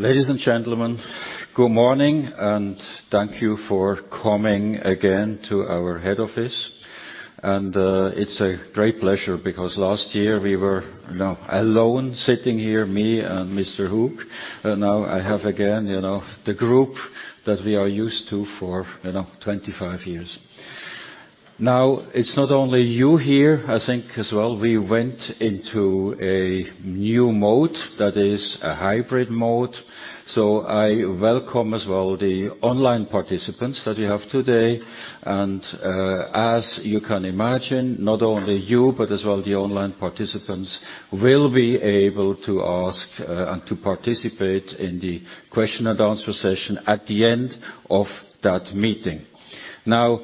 Ladies and gentlemen, good morning, and thank you for coming again to our head office. It's a great pleasure because last year we were, you know, alone sitting here, me and Mr. Hug. Now I have again, you know, the group that we are used to for, you know, 25 years. Now, it's not only you here. I think as well we went into a new mode, that is a hybrid mode. I welcome as well the online participants that we have today. As you can imagine, not only you, but as well the online participants will be able to ask and to participate in the question and answer session at the end of that meeting. Now,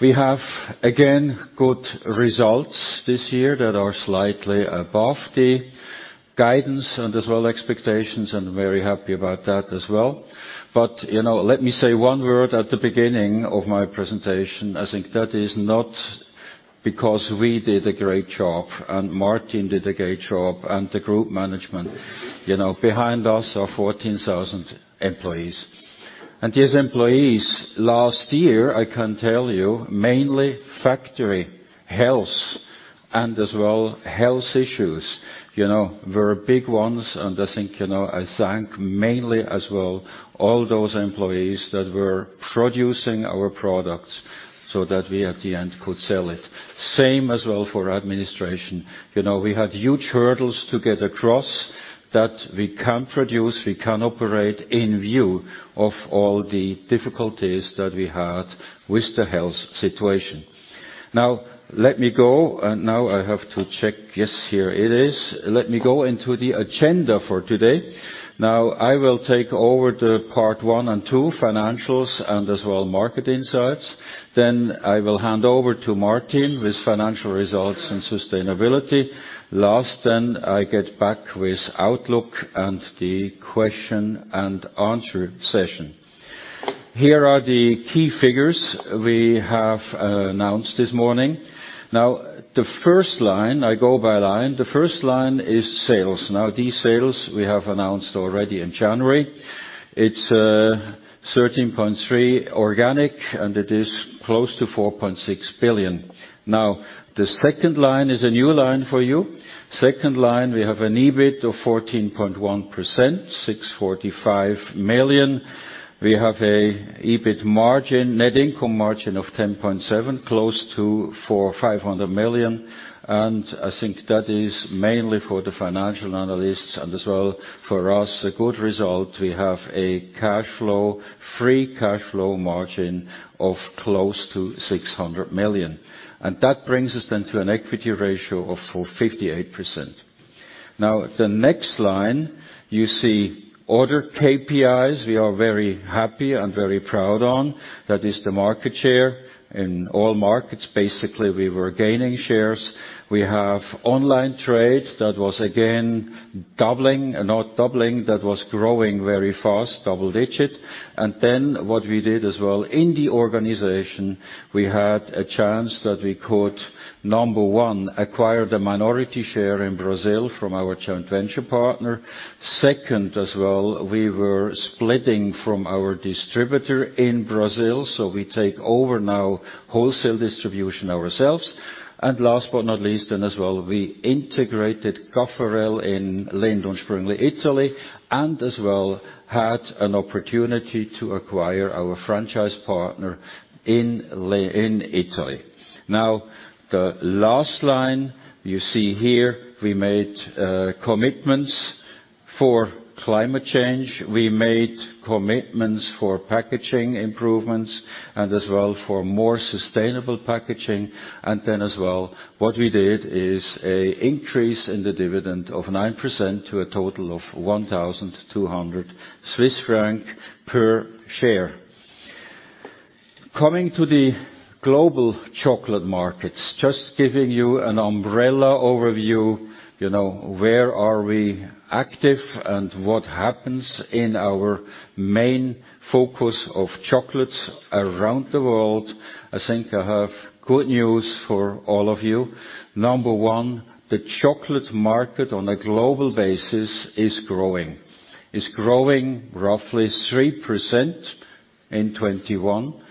we have again good results this year that are slightly above the guidance and as well expectations, and very happy about that as well. You know, let me say one word at the beginning of my presentation. I think that is not because we did a great job, and Martin did a great job, and the group management. You know, behind us are 14,000 employees. These employees, last year, I can tell you, mainly factory, health, and as well health issues, you know, were big ones. I think, you know, I thank mainly as well all those employees that were producing our products so that we at the end could sell it. Same as well for administration. You know, we had huge hurdles to get across that we can't produce, we can't operate in view of all the difficulties that we had with the health situation. Now, I have to check. Yes, here it is. Let me go into the agenda for today. Now, I will take over the parts one and two, financials and as well market insights. Then I will hand over to Martin with financial results and sustainability. Last then, I get back with outlook and the question and answer session. Here are the key figures we have announced this morning. Now, the first line, I go by line, the first line is sales. Now, these sales we have announced already in January. It's 13.3% organic, and it is close to 4.6 billion. Now, the second line is a new line for you. Second line, we have an EBIT of 14.1%, 645 million. We have an EBIT margin, net income margin of 10.7%, close to 450 million. I think that is mainly for the financial analysts and as well for us a good result. We have a cash flow, free cash flow margin of close to 600 million. That brings us then to an equity ratio of 458%. Now, the next line, you see other KPIs we are very happy and very proud on. That is the market share in all markets. Basically, we were gaining shares. We have online trade that was again growing very fast, double digit. Then what we did as well in the organization, we had a chance that we could, number one, acquire the minority share in Brazil from our joint venture partner. Second as well, we were splitting from our distributor in Brazil, so we take over now wholesale distribution ourselves. Last but not least, and as well, we integrated Caffarel in Lindt & Sprüngli Italy, and as well had an opportunity to acquire our franchise partner in Italy. Now, the last line you see here, we made commitments for climate change. We made commitments for packaging improvements and as well for more sustainable packaging. Then as well, what we did is an increase in the dividend of 9% to a total of 1,200 Swiss francs per share. Coming to the global chocolate markets, just giving you an umbrella overview, you know, where are we active and what happens in our main focus of chocolates around the world. I think I have good news for all of you. Number one, the chocolate market on a global basis is growing. It's growing roughly 3% in 2021.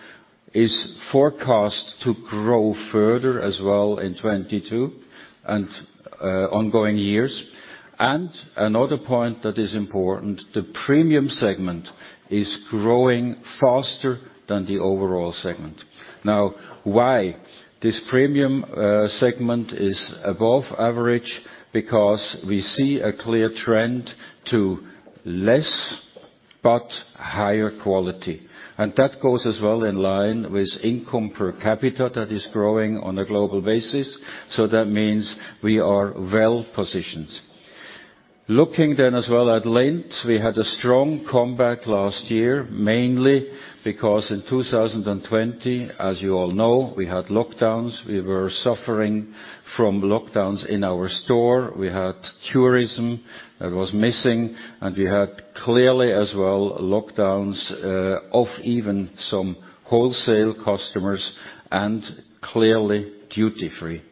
It's forecast to grow further as well in 2022 and ongoing years. Another point that is important, the premium segment is growing faster than the overall segment. Now, why this premium segment is above average? Because we see a clear trend to less but higher quality. That goes as well in line with income per capita that is growing on a global basis. That means we are well positioned. Looking then as well at Lindt, we had a strong comeback last year, mainly because in 2020, as you all know, we had lockdowns. We were suffering from lockdowns in our store. We had tourism that was missing, and we had clearly as well lockdowns of even some wholesale customers and clearly duty-free.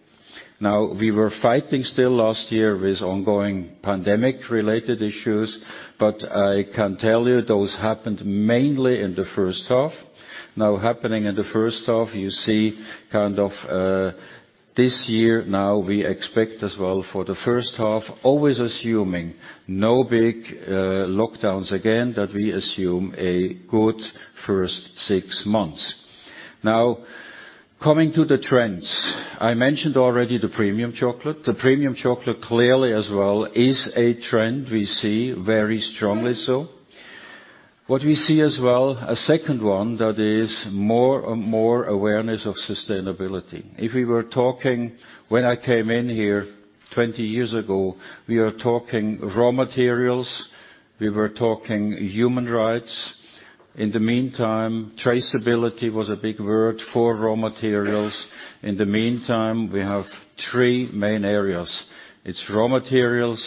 Now we were fighting still last year with ongoing pandemic related issues, but I can tell you those happened mainly in the first half. You see kind of, this year now we expect as well for the first half, always assuming no big lockdowns again, that we assume a good first six months. Now coming to the trends. I mentioned already the premium chocolate. The premium chocolate clearly as well is a trend we see very strongly so. What we see as well, a second one that is more and more awareness of sustainability. If we were talking when I came in here 20 years ago, we are talking raw materials, we were talking human rights. In the meantime, traceability was a big word for raw materials. In the meantime, we have three main areas. It's raw materials,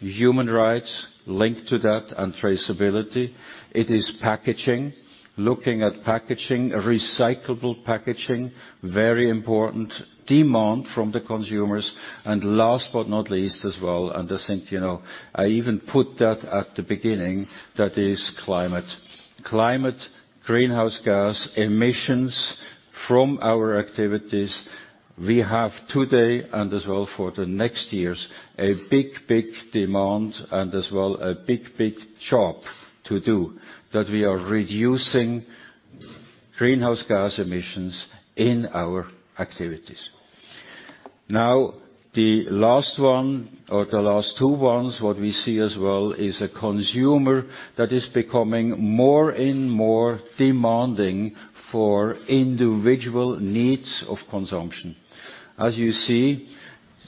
human rights, linked to that, and traceability. It is packaging, looking at packaging, recyclable packaging, very important demand from the consumers. Last but not least as well, and I think, you know, I even put that at the beginning, that is climate. Climate, greenhouse gas emissions from our activities, we have today and as well for the next years, a big, big demand and as well a big, big job to do that we are reducing greenhouse gas emissions in our activities. Now the last one or the last two ones, what we see as well is a consumer that is becoming more and more demanding for individual needs of consumption. As you see,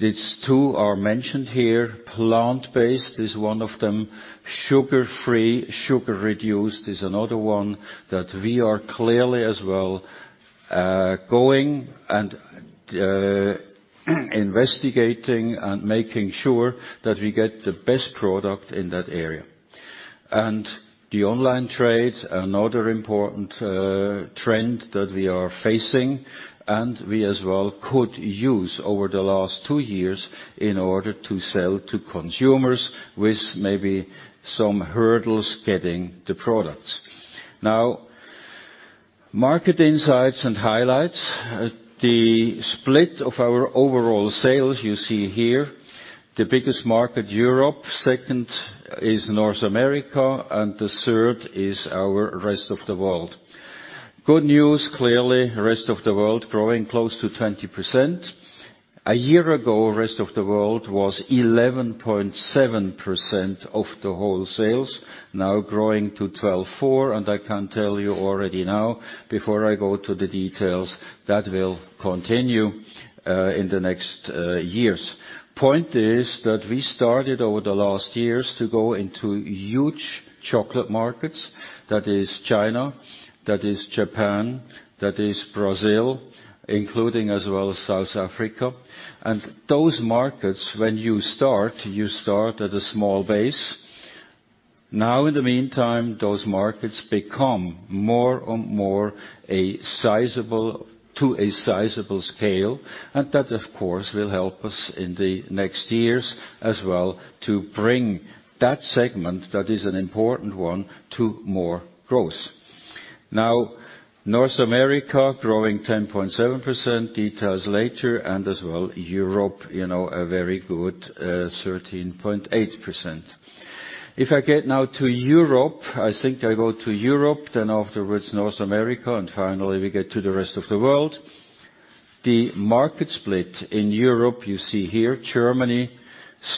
these two are mentioned here. Plant-based is one of them. Sugar-free, sugar-reduced is another one that we are clearly as well, going and investigating and making sure that we get the best product in that area. The online trade, another important trend that we are facing, and we as well could use over the last two years in order to sell to consumers with maybe some hurdles getting the products. Now market insights and highlights. The split of our overall sales you see here, the biggest market, Europe, second is North America, and the third is our rest of the world. Good news, clearly, rest of the world growing close to 20%. A year ago, rest of the world was 11.7% of the whole sales, now growing to 12.4. I can tell you already now, before I go to the details, that will continue in the next years. Point is that we started over the last years to go into huge chocolate markets. That is China, that is Japan, that is Brazil, including as well South Africa. Those markets, when you start, you start at a small base. Now in the meantime, those markets become more and more a sizable scale, and that of course will help us in the next years as well to bring that segment that is an important one to more growth. Now North America growing 10.7%, details later, and as well Europe, you know, a very good 13.8%. If I get now to Europe, I think I go to Europe, then afterwards North America, and finally we get to the rest of the world. The market split in Europe, you see here, Germany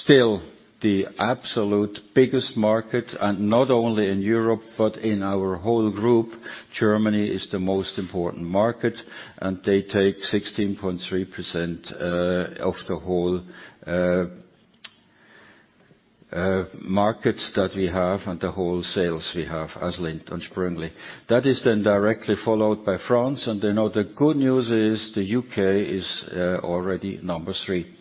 still the absolute biggest market, and not only in Europe, but in our whole group, Germany is the most important market, and they take 16.3% of the whole markets that we have and the whole sales we have as Lindt & Sprüngli. That is then directly followed by France, and you know the good news is the U.K. is already number three.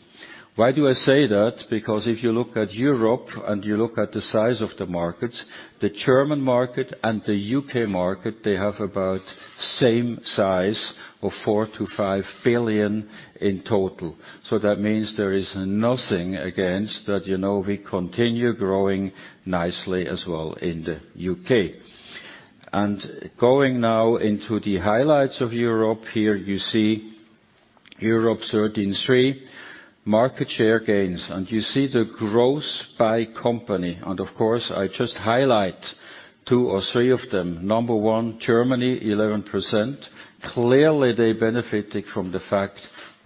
Why do I say that? Because if you look at Europe and you look at the size of the markets, the German market and the U.K. market, they have about same size of 4 billion-5 billion in total. That means there is nothing against that, you know, we continue growing nicely as well in the U.K. Going now into the highlights of Europe, here you see Europe 13.3, market share gains, and you see the growth by company, and of course I just highlight two or three of them. Number one, Germany, 11%. Clearly, they benefited from the fact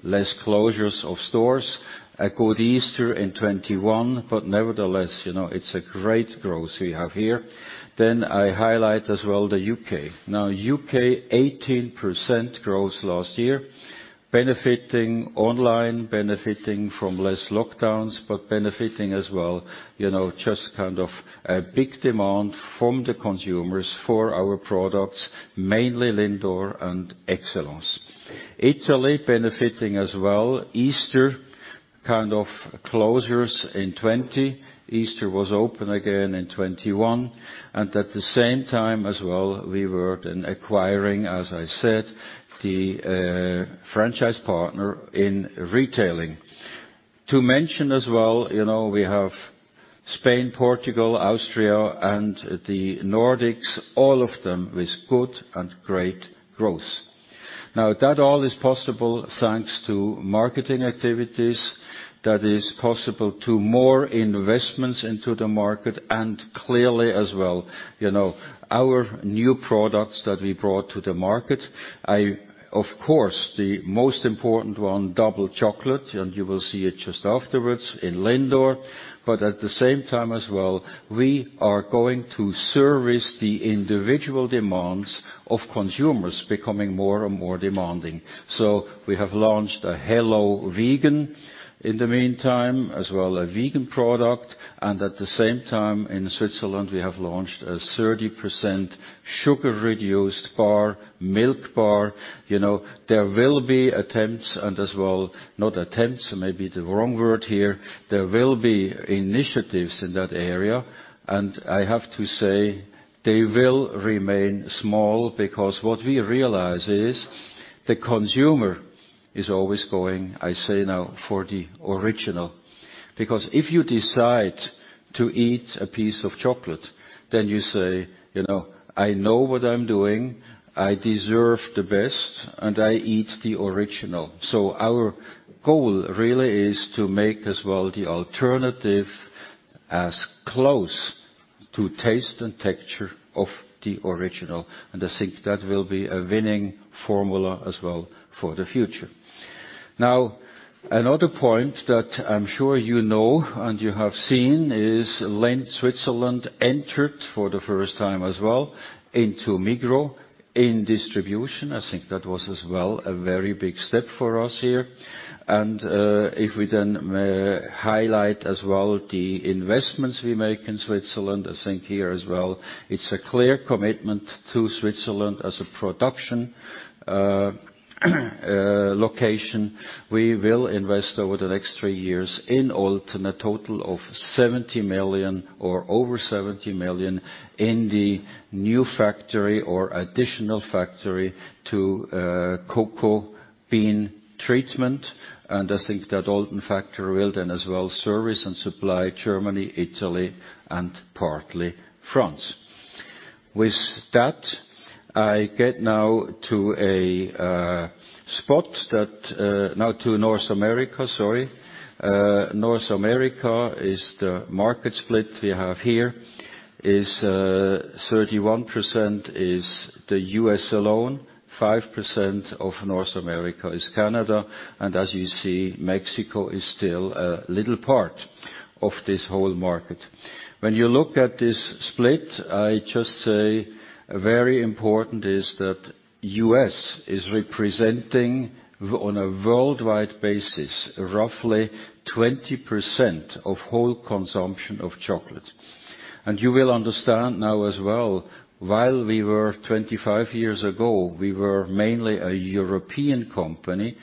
less closures of stores, a good Easter in 2021, but nevertheless, you know, it's a great growth we have here. I highlight as well the U.K. Now U.K., 18% growth last year, benefiting online, benefiting from less lockdowns, but benefiting as well, you know, just kind of a big demand from the consumers for our products, mainly LINDOR and EXCELLENCE. Italy benefiting as well. Easter, kind of closures in 2020. Easter was open again in 2021. At the same time as well, we were then acquiring, as I said, the franchise partner in retailing. To mention as well, you know, we have Spain, Portugal, Austria, and the Nordics, all of them with good and great growth. Now that all is possible, thanks to marketing activities. That is possible to more investments into the market and clearly as well, you know, our new products that we brought to the market. Of course, the most important one, Double Chocolate, and you will see it just afterwards in LINDOR. At the same time as well, we are going to service the individual demands of consumers becoming more and more demanding. We have launched a HELLO Vegan in the meantime, as well a vegan product. At the same time, in Switzerland, we have launched a 30% sugar-reduced bar, milk bar. You know, there will be attempts and as well, not attempts, maybe the wrong word here. There will be initiatives in that area, and I have to say they will remain small because what we realize is the consumer is always going, I say now, for the original. Because if you decide to eat a piece of chocolate, then you say, you know, "I know what I'm doing, I deserve the best, and I eat the original." Our goal really is to make as well the alternative as close to taste and texture of the original, and I think that will be a winning formula as well for the future. Now, another point that I'm sure you know and you have seen is Lindt Switzerland entered for the first time as well into Migros in distribution. I think that was as well a very big step for us here. If we then highlight as well the investments we make in Switzerland, I think here as well, it's a clear commitment to Switzerland as a production location. We will invest over the next three years in Olten a total of 70 million or over 70 million in the new factory or additional factory to cocoa bean treatment. I think that Olten factory will then as well service and supply Germany, Italy, and partly France. With that, I get now to North America, sorry. North America is the market split we have here. 31% is the U.S. alone, 5% of North America is Canada, and as you see, Mexico is still a little part of this whole market. When you look at this split, I just say very important is that U.S. is representing on a worldwide basis, roughly 20% of whole consumption of chocolate. You will understand now as well, while we were 25 years ago, we were mainly a European company.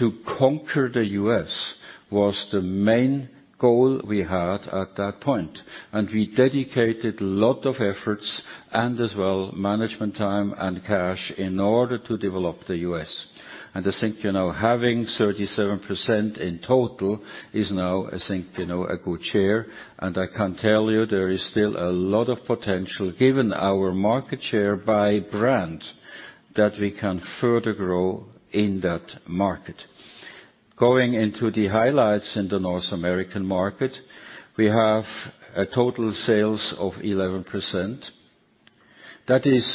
To conquer the U.S. was the main goal we had at that point. We dedicated a lot of efforts and as well management time and cash in order to develop the U.S. I think, you know, having 37% in total is now, I think, you know, a good share. I can tell you there is still a lot of potential given our market share by brand that we can further grow in that market. Going into the highlights in the North American market, we have a total sales of 11%. That is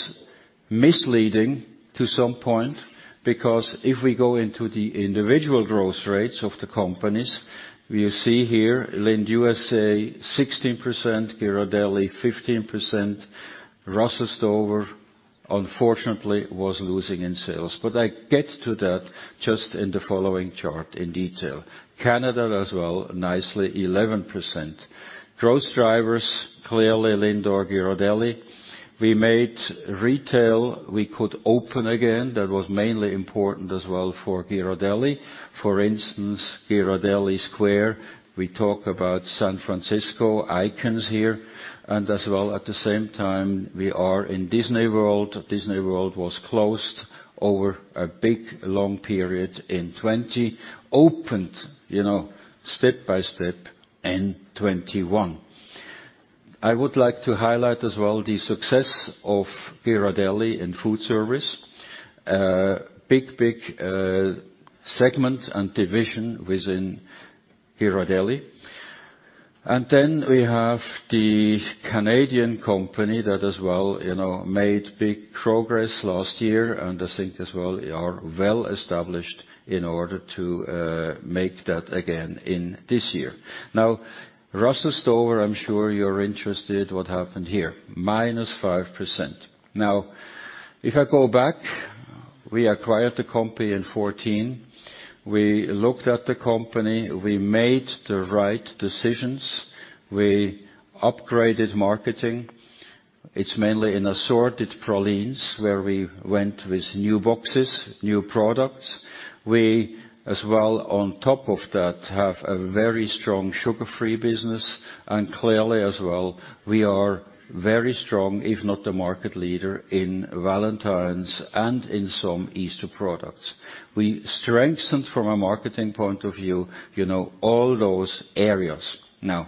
misleading to some point, because if we go into the individual growth rates of the companies, we see here Lindt USA 16%, Ghirardelli 15%. Russell Stover, unfortunately, was losing in sales. I get to that just in the following chart in detail. Canada as well, nicely 11%. Growth drivers, clearly LINDOR, Ghirardelli. Retail, we could open again. That was mainly important as well for Ghirardelli. For instance, Ghirardelli Square, we talk about San Francisco icons here. As well, at the same time, we are in Disney World. Disney World was closed over a big, long period in 2020, opened, you know, step by step in 2021. I would like to highlight as well the success of Ghirardelli in food service. Big segment and division within Ghirardelli. Then we have the Canadian company that as well, you know, made big progress last year and I think as well are well established in order to make that again in this year. Now, Russell Stover, I'm sure you're interested in what happened here, minus 5%. Now if I go back, we acquired the company in 2014. We looked at the company, we made the right decisions, we upgraded marketing. It is mainly in assorted pralines where we went with new boxes, new products. We as well on top of that have a very strong sugar-free business and clearly as well, we are very strong, if not the market leader in Valentine's and in some Easter products. We strengthened from a marketing point of view, you know, all those areas. Now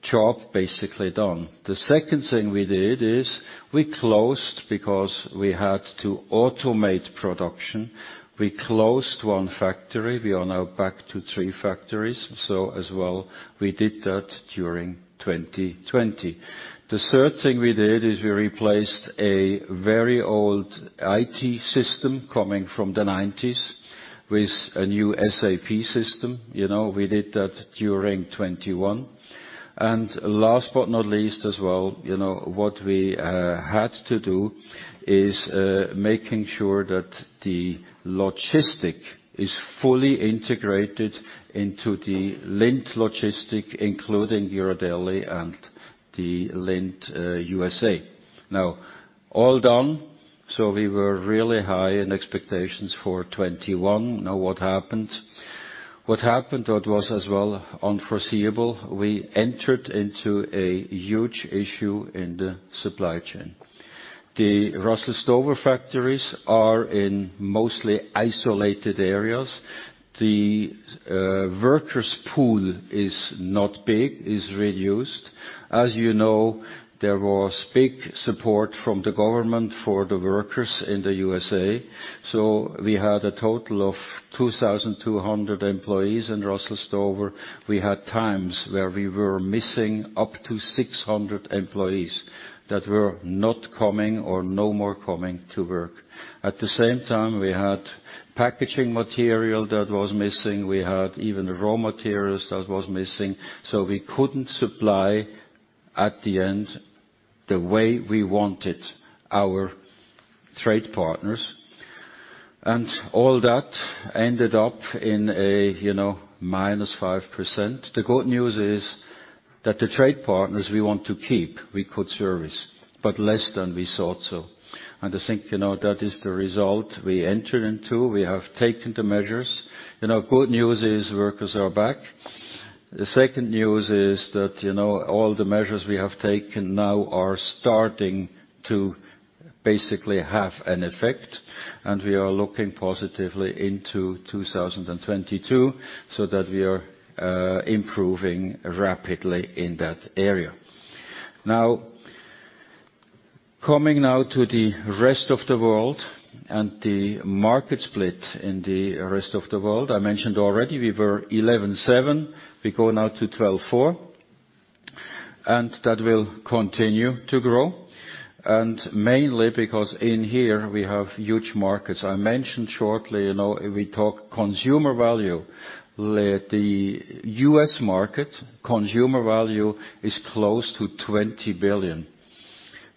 job basically done. The second thing we did is we closed because we had to automate production. We closed one factory. We are now back to three factories. As well, we did that during 2020. The third thing we did is we replaced a very old IT system coming from the 1990s with a new SAP system. You know, we did that during 2021. Last but not least as well, you know, what we had to do is making sure that the logistics is fully integrated into the Lindt logistics, including Eurodelice and the Lindt USA. Now all done. We were really high in expectations for 2021. Now what happened? What happened that was as well unforeseeable, we entered into a huge issue in the supply chain. The Russell Stover factories are in mostly isolated areas. The workers pool is not big, is reduced. As you know, there was big support from the government for the workers in the U.S. We had a total of 2,200 employees in Russell Stover. We had times where we were missing up to 600 employees that were not coming or no more coming to work. At the same time, we had packaging material that was missing. We had even raw materials that was missing, so we couldn't supply at the end the way we wanted our trade partners. All that ended up in a, you know, -5%. The good news is that the trade partners we want to keep, we could service, but less than we thought so. I think, you know, that is the result we entered into. We have taken the measures. You know, good news is workers are back. The second news is that, you know, all the measures we have taken now are starting to basically have an effect, and we are looking positively into 2022 so that we are improving rapidly in that area. Now coming to the rest of the world and the market split in the rest of the world. I mentioned already we were 11-7, we go now to 12-4 and that will continue to grow. Mainly because in here we have huge markets. I mentioned shortly, you know, if we talk consumer value, like the U.S. market consumer value is close to $20 billion.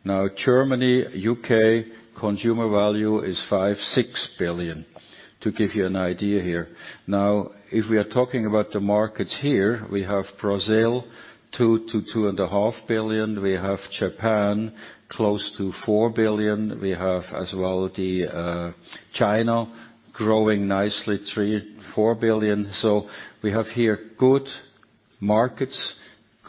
Now Germany, U.K. consumer value is $5-$6 billion. To give you an idea here. Now, if we are talking about the markets here we have Brazil $2-$2.5 billion. We have Japan close to $4 billion. We have as well the China growing nicely, 3 billion-4 billion. We have here good markets,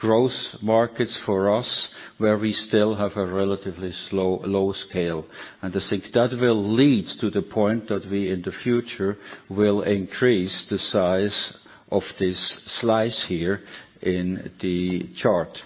growth markets for us where we still have a relatively low scale. I think that will lead to the point that we in the future will increase the size of this slice here in the chart.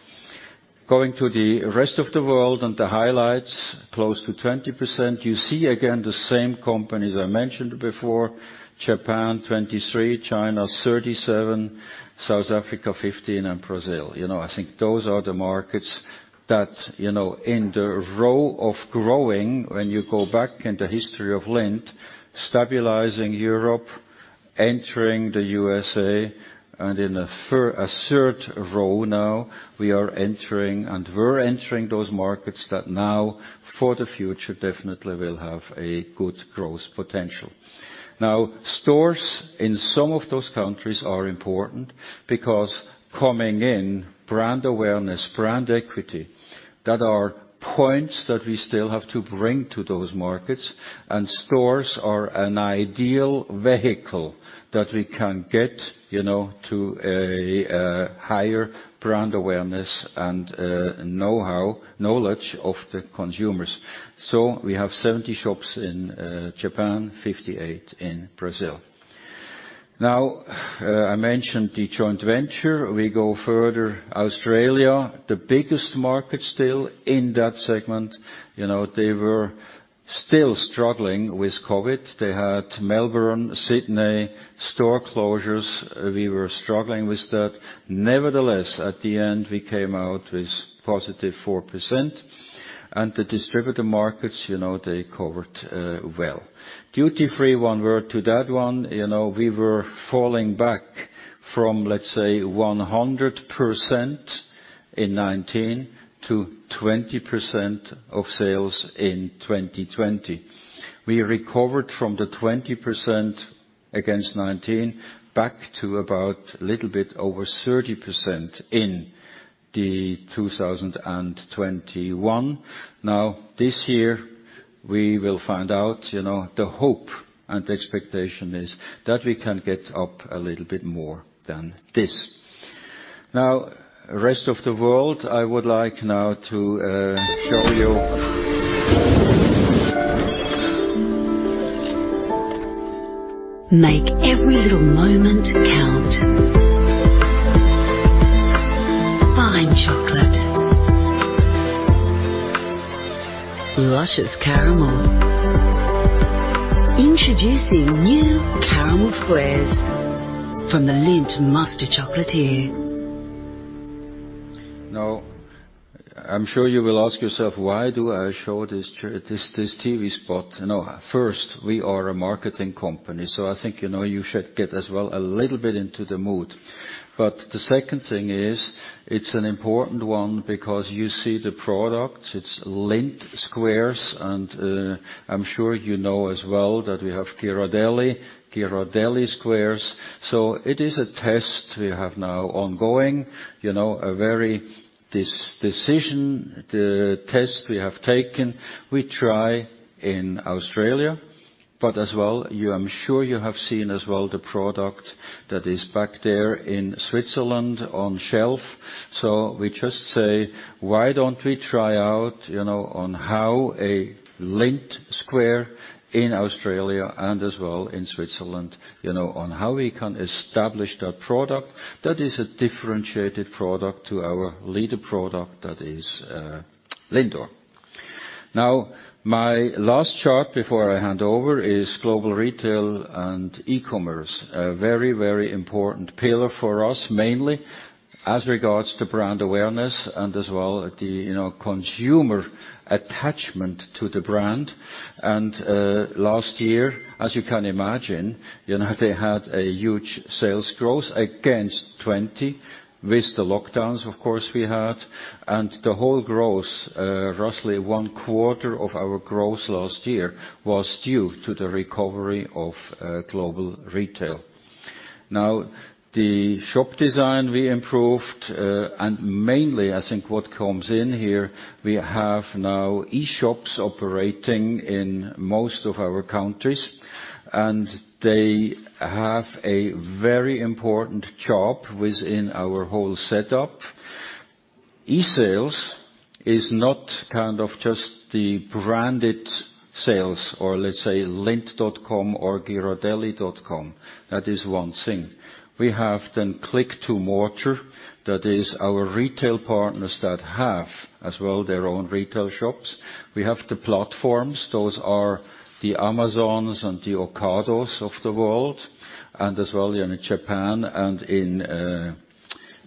Going to the rest of the world and the highlights close to 20%. You see again the same companies I mentioned before Japan 23%, China 37%, South Africa 15% and Brazil. You know, I think those are the markets that, you know, in the row of growing when you go back in the history of Lindt stabilizing Europe, entering the USA and in a third row now we are entering those markets that now for the future definitely will have a good growth potential. Stores in some of those countries are important because in brand awareness, brand equity, that are points that we still have to bring to those markets. Stores are an ideal vehicle that we can get, you know, to a higher brand awareness and know-how, knowledge of the consumers. We have 70 shops in Japan, 58 in Brazil. I mentioned the joint venture. We go further. Australia, the biggest market still in that segment. You know, they were still struggling with COVID. They had Melbourne, Sydney store closures. We were struggling with that. Nevertheless, at the end, we came out with positive 4% and the distributor markets, you know, they covered well. Duty-free. One word to that one. You know, we were falling back from let's say 100% in 2019 to 20% of sales in 2020. We recovered from the 20% against 2019, back to about a little bit over 30% in 2021. Now, this year we will find out, you know, the hope and expectation is that we can get up a little bit more than this. Now, rest of the world, I would like to show you. Make every little moment count. Fine chocolate. Luscious caramel. Introducing new caramel squares from the Lindt Master Chocolatier. Now, I'm sure you will ask yourself, why do I show this this TV spot? You know, first, we are a marketing company, so I think, you know, you should get as well a little bit into the mood. The second thing is, it's an important one because you see the products, it's Lindt SQUARES and, I'm sure you know as well that we have Ghirardelli Squares. It is a test we have now ongoing, you know, a very decision, the test we have taken, we try in Australia. As well, I'm sure you have seen as well the product that is back there in Switzerland on shelf. We just say, why don't we try out, you know, on how a Lindt SQUARE in Australia and as well in Switzerland, you know, on how we can establish that product. That is a differentiated product to our leader product that is LINDOR. Now, my last chart before I hand over is Global Retail and e-commerce. A very, very important pillar for us, mainly as regards to brand awareness and as well the, you know, consumer attachment to the brand. Last year, as you can imagine, you know, they had a huge sales growth against 2020, with the lockdowns of course we had. The whole growth, roughly one quarter of our growth last year was due to the recovery of Global Retail. Now, the shop design we improved, and mainly I think what comes in here, we have now e-shops operating in most of our countries, and they have a very important job within our whole setup. E-sales is not kind of just the branded sales or let's say lindt.com or ghirardelli.com. That is one thing. We have then click and mortar. That is our retail partners that have as well their own retail shops. We have the platforms, those are the Amazons and the Ocados of the world, and as well, you know, in Japan and in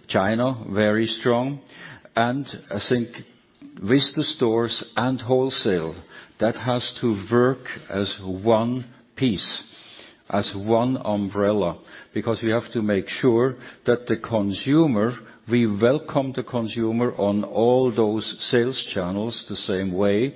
China, very strong. I think with the stores and wholesale, that has to work as one piece, as one umbrella, because we have to make sure that the consumer, we welcome the consumer on all those sales channels the same way.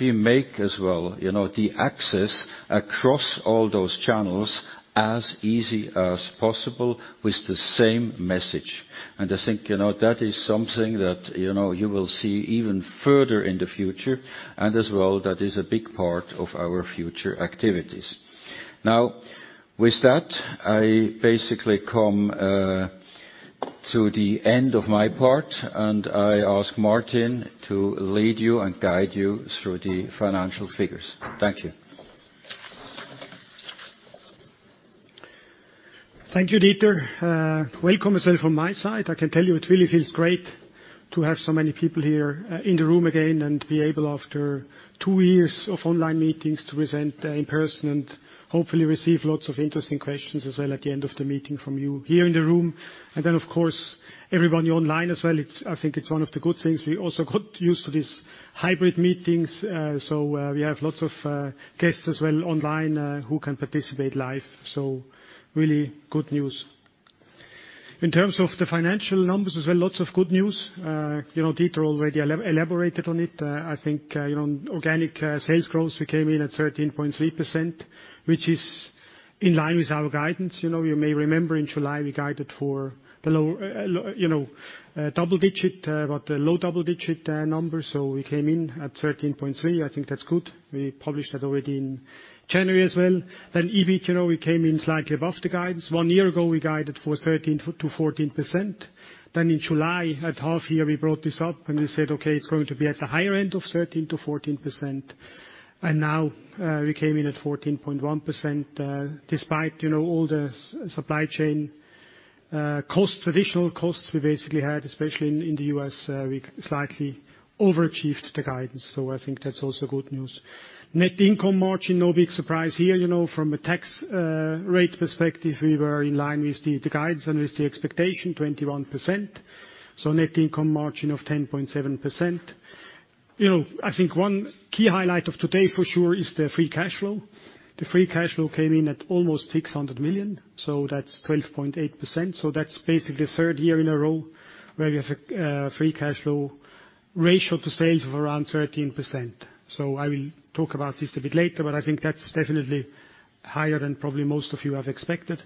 We make as well, you know, the access across all those channels as easy as possible with the same message. I think, you know, that is something that, you know, you will see even further in the future, and as well, that is a big part of our future activities. Now, with that, I basically come to the end of my part, and I ask Martin to lead you and guide you through the financial figures. Thank you. Thank you, Dieter. Welcome as well from my side. I can tell you it really feels great to have so many people here in the room again and be able, after two years of online meetings, to present in person and hopefully receive lots of interesting questions as well at the end of the meeting from you here in the room. Of course, everyone online as well. It's, I think, one of the good things we also got used to, these hybrid meetings. We have lots of guests as well online who can participate live. Really good news. In terms of the financial numbers as well, lots of good news. You know, Dieter already elaborated on it. I think, you know, organic sales growth, we came in at 13.3%, which is in line with our guidance. You know, you may remember in July we guided for the low double digit, but a low double digit number. We came in at 13.3. I think that's good. We published that already in January as well. EBIT, you know, we came in slightly above the guidance. One year ago, we guided for 13%-14%. In July, at half year, we brought this up and we said, "Okay, it's going to be at the higher end of 13%-14%." Now we came in at 14.1%, despite, you know, all the supply chain costs, additional costs we basically had, especially in the U.S., we slightly overachieved the guidance. I think that's also good news. Net income margin, no big surprise here. You know, from a tax rate perspective, we were in line with the guidance and with the expectation, 21%. Net income margin of 10.7%. You know, I think one key highlight of today for sure is the free cash flow. The free cash flow came in at almost 600 million, so that's 12.8%. That's basically the third year in a row where we have a free cash flow ratio to sales of around 13%. I will talk about this a bit later, but I think that's definitely higher than probably most of you have expected.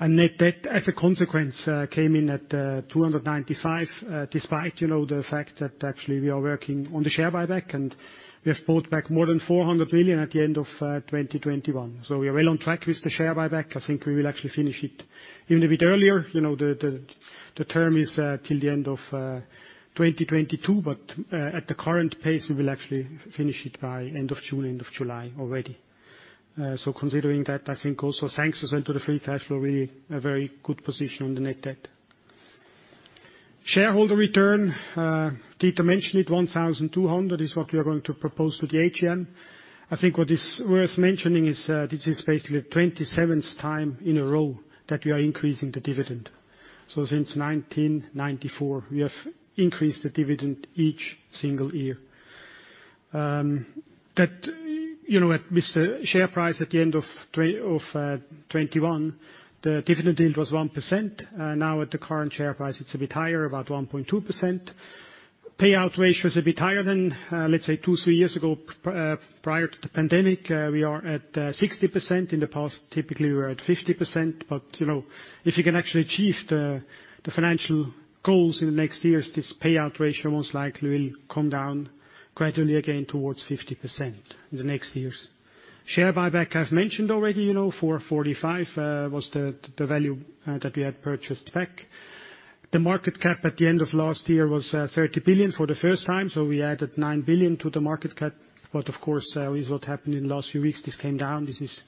Net debt, as a consequence, came in at 295 million, despite, you know, the fact that actually we are working on the share buyback, and we have bought back more than 400 million at the end of 2021. We are well on track with the share buyback. I think we will actually finish it even a bit earlier. You know, the term is till the end of 2022, but at the current pace, we will actually finish it by end of June, end of July already. Considering that, I think also thanks as well to the free cash flow, we have a very good position on the net debt. Shareholder return, Dieter mentioned it, 1,200 is what we are going to propose to the AGM. I think what is worth mentioning is, this is basically the 27th time in a row that we are increasing the dividend. Since 1994, we have increased the dividend each single year. That, you know, at, with the share price at the end of 2021, the dividend yield was 1%. Now at the current share price, it's a bit higher, about 1.2%. Payout ratio is a bit higher than, let's say 2-3 years ago, prior to the pandemic. We are at 60%. In the past, typically we were at 50%. You know, if you can actually achieve the financial goals in the next years, this payout ratio most likely will come down gradually again towards 50% in the next years. Share buyback, I've mentioned already, you know, 445 million was the value that we had purchased back. The market cap at the end of last year was 30 billion for the first time, so we added 9 billion to the market cap. Of course, what happened in the last few weeks, this came down. This is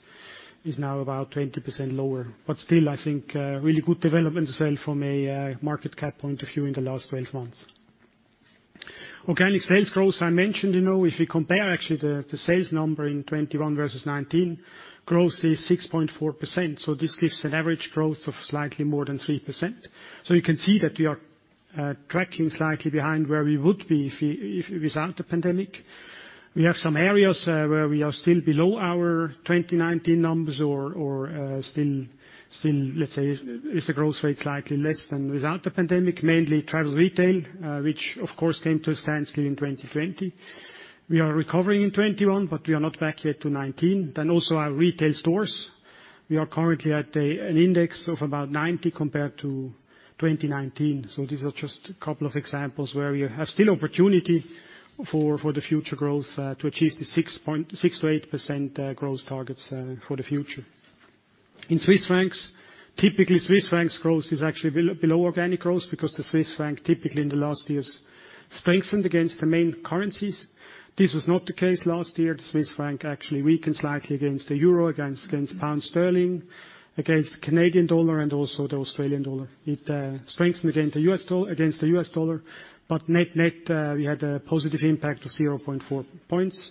now about 20% lower. Still, I think, really good development as well from a market cap point of view in the last 12 months. Organic sales growth I mentioned, you know, if you compare actually the sales number in 2021 versus 2019, growth is 6.4%, so this gives an average growth of slightly more than 3%. You can see that we are tracking slightly behind where we would be if without the pandemic. We have some areas where we are still below our 2019 numbers or still, let's say, the growth rate is slightly less than without the pandemic, mainly travel retail, which of course came to a standstill in 2020. We are recovering in 2021, but we are not back yet to 2019. Also our retail stores, we are currently at an index of about 90 compared to 2019. These are just a couple of examples where we have still opportunity for the future growth to achieve the 6%-8% growth targets for the future. In Swiss francs, typically Swiss francs growth is actually below organic growth because the Swiss franc typically in the last years strengthened against the main currencies. This was not the case last year. The Swiss franc actually weakened slightly against the euro, against pound sterling, against the Canadian dollar and also the Australian dollar. It strengthened against the US dollar, but net we had a positive impact of 0.4 points.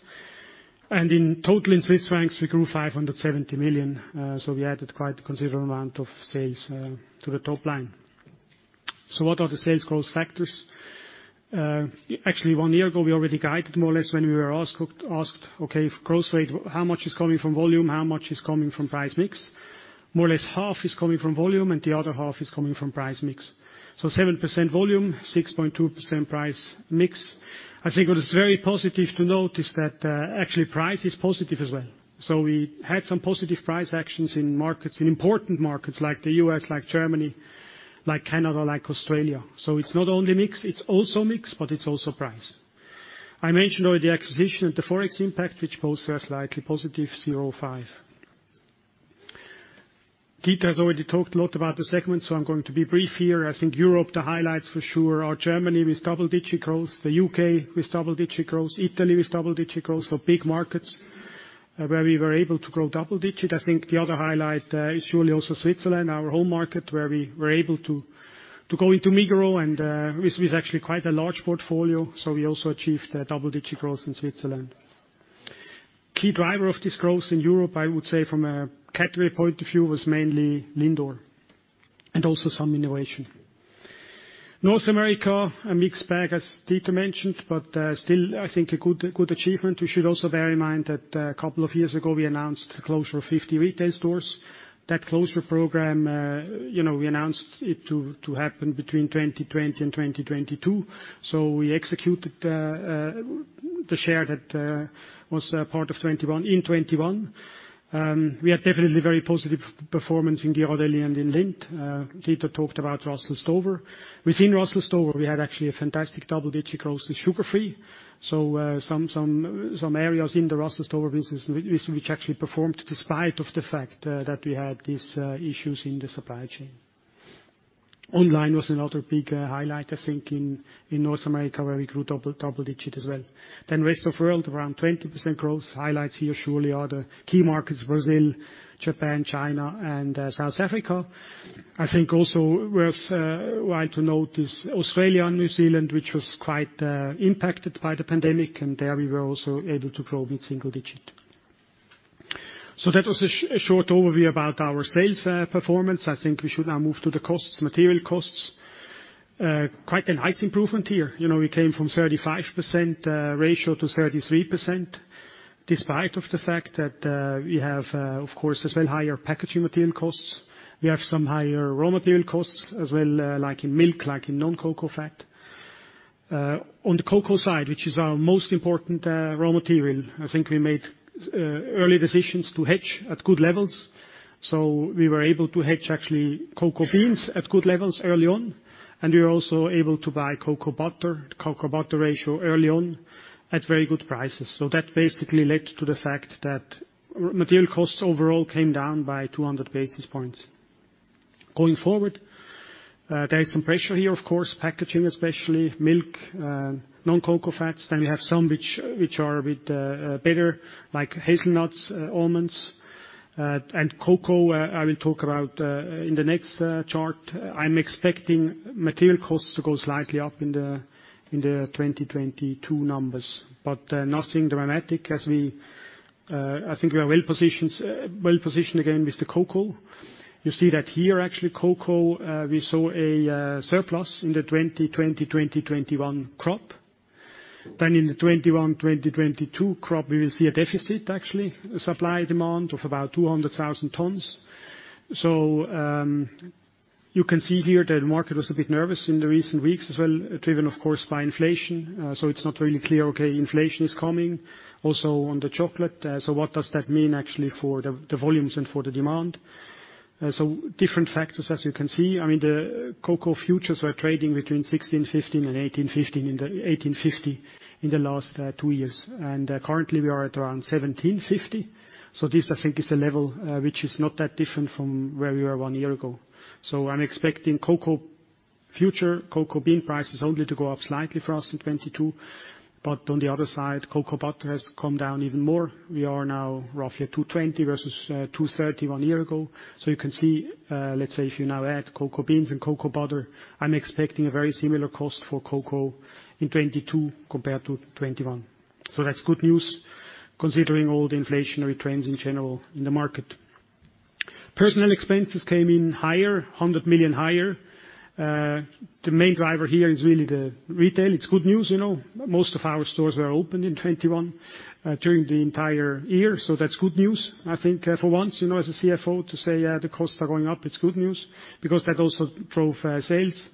In total, in Swiss francs, we grew 570 million, so we added quite a considerable amount of sales to the top line. What are the sales growth factors? Actually one year ago, we already guided more or less when we were asked, "Okay, if growth rate, how much is coming from volume? How much is coming from price mix?" More or less half is coming from volume, and the other half is coming from price mix. 7% volume, 6.2% price mix. I think what is very positive to note is that, actually price is positive as well. We had some positive price actions in markets, in important markets like the U.S., like Germany, like Canada, like Australia. It's not only mix, it's also mix, but it's also price. I mentioned already the acquisition and the Forex impact, which both were slightly positive, 0.5%. Dieter has already talked a lot about the segment, so I'm going to be brief here. I think Europe, the highlights for sure are Germany with double-digit growth, the U.K. with double-digit growth, Italy with double-digit growth. Big markets where we were able to grow double-digit. I think the other highlight is surely also Switzerland, our home market, where we were able to go into Migros and with actually quite a large portfolio. We also achieved a double-digit growth in Switzerland. Key driver of this growth in Europe, I would say from a category point of view, was mainly LINDOR and also some innovation. North America, a mixed bag, as Dieter mentioned, but still, I think a good achievement. We should also bear in mind that a couple of years ago, we announced the closure of 50 retail stores. That closure program, you know, we announced it to happen between 2020 and 2022. We executed the share that was part of 2021 in 2021. We had definitely very positive performance in Ghirardelli and in Lindt. Dieter talked about Russell Stover. Within Russell Stover, we had actually a fantastic double-digit growth with sugar-free. Some areas in the Russell Stover business which actually performed despite of the fact that we had these issues in the supply chain. Online was another big highlight, I think, in North America, where we grew double digit as well. Rest of world, around 20% growth. Highlights here surely are the key markets Brazil, Japan, China and South Africa. I think also worthwhile to note is Australia and New Zealand, which was quite impacted by the pandemic, and there we were also able to grow mid-single-digit. That was a short overview about our sales performance. I think we should now move to the costs. Material costs, quite a nice improvement here. You know, we came from 35% ratio to 33% despite the fact that we have of course as well higher packaging material costs. We have some higher raw material costs as well, like in milk, like in non-cocoa fat. On the cocoa side, which is our most important raw material, I think we made early decisions to hedge at good levels. We were able to hedge actually cocoa beans at good levels early on, and we were also able to buy cocoa butter, cocoa butter ratio early on at very good prices. That basically led to the fact that material costs overall came down by 200 basis points. Going forward, there is some pressure here, of course, packaging especially, milk, non-cocoa fats. Then you have some which are a bit better, like hazelnuts, almonds, and cocoa, I will talk about in the next chart. I'm expecting material costs to go slightly up in the 2022 numbers. Nothing dramatic as we, I think we are well positioned again with the cocoa. You see that here, actually, cocoa, we saw a surplus in the 2020-2021 crop. In the 2021-2022 crop, we will see a deficit actually, supply demand of about 200,000 tons. You can see here the market was a bit nervous in the recent weeks as well, driven of course by inflation. It's not really clear, okay, inflation is coming also on the chocolate. Different factors as you can see. I mean, the cocoa futures were trading between 1,615 and 1,850 in the last two years. Currently we are at around 1,750. This I think is a level which is not that different from where we were one year ago. I'm expecting cocoa future, cocoa bean prices only to go up slightly for us in 2022. On the other side, cocoa butter has come down even more. We are now roughly at 220 versus 231 one year ago. You can see, let's say if you now add cocoa beans and cocoa butter, I'm expecting a very similar cost for cocoa in 2022 compared to 2021. That's good news considering all the inflationary trends in general in the market. Personnel expenses came in higher, 100 million higher. The main driver here is really the retail. It's good news, you know. Most of our stores were opened in 2021 during the entire year. That's good news. I think, for once, you know, as a CFO to say, the costs are going up, it's good news because that also drove sales.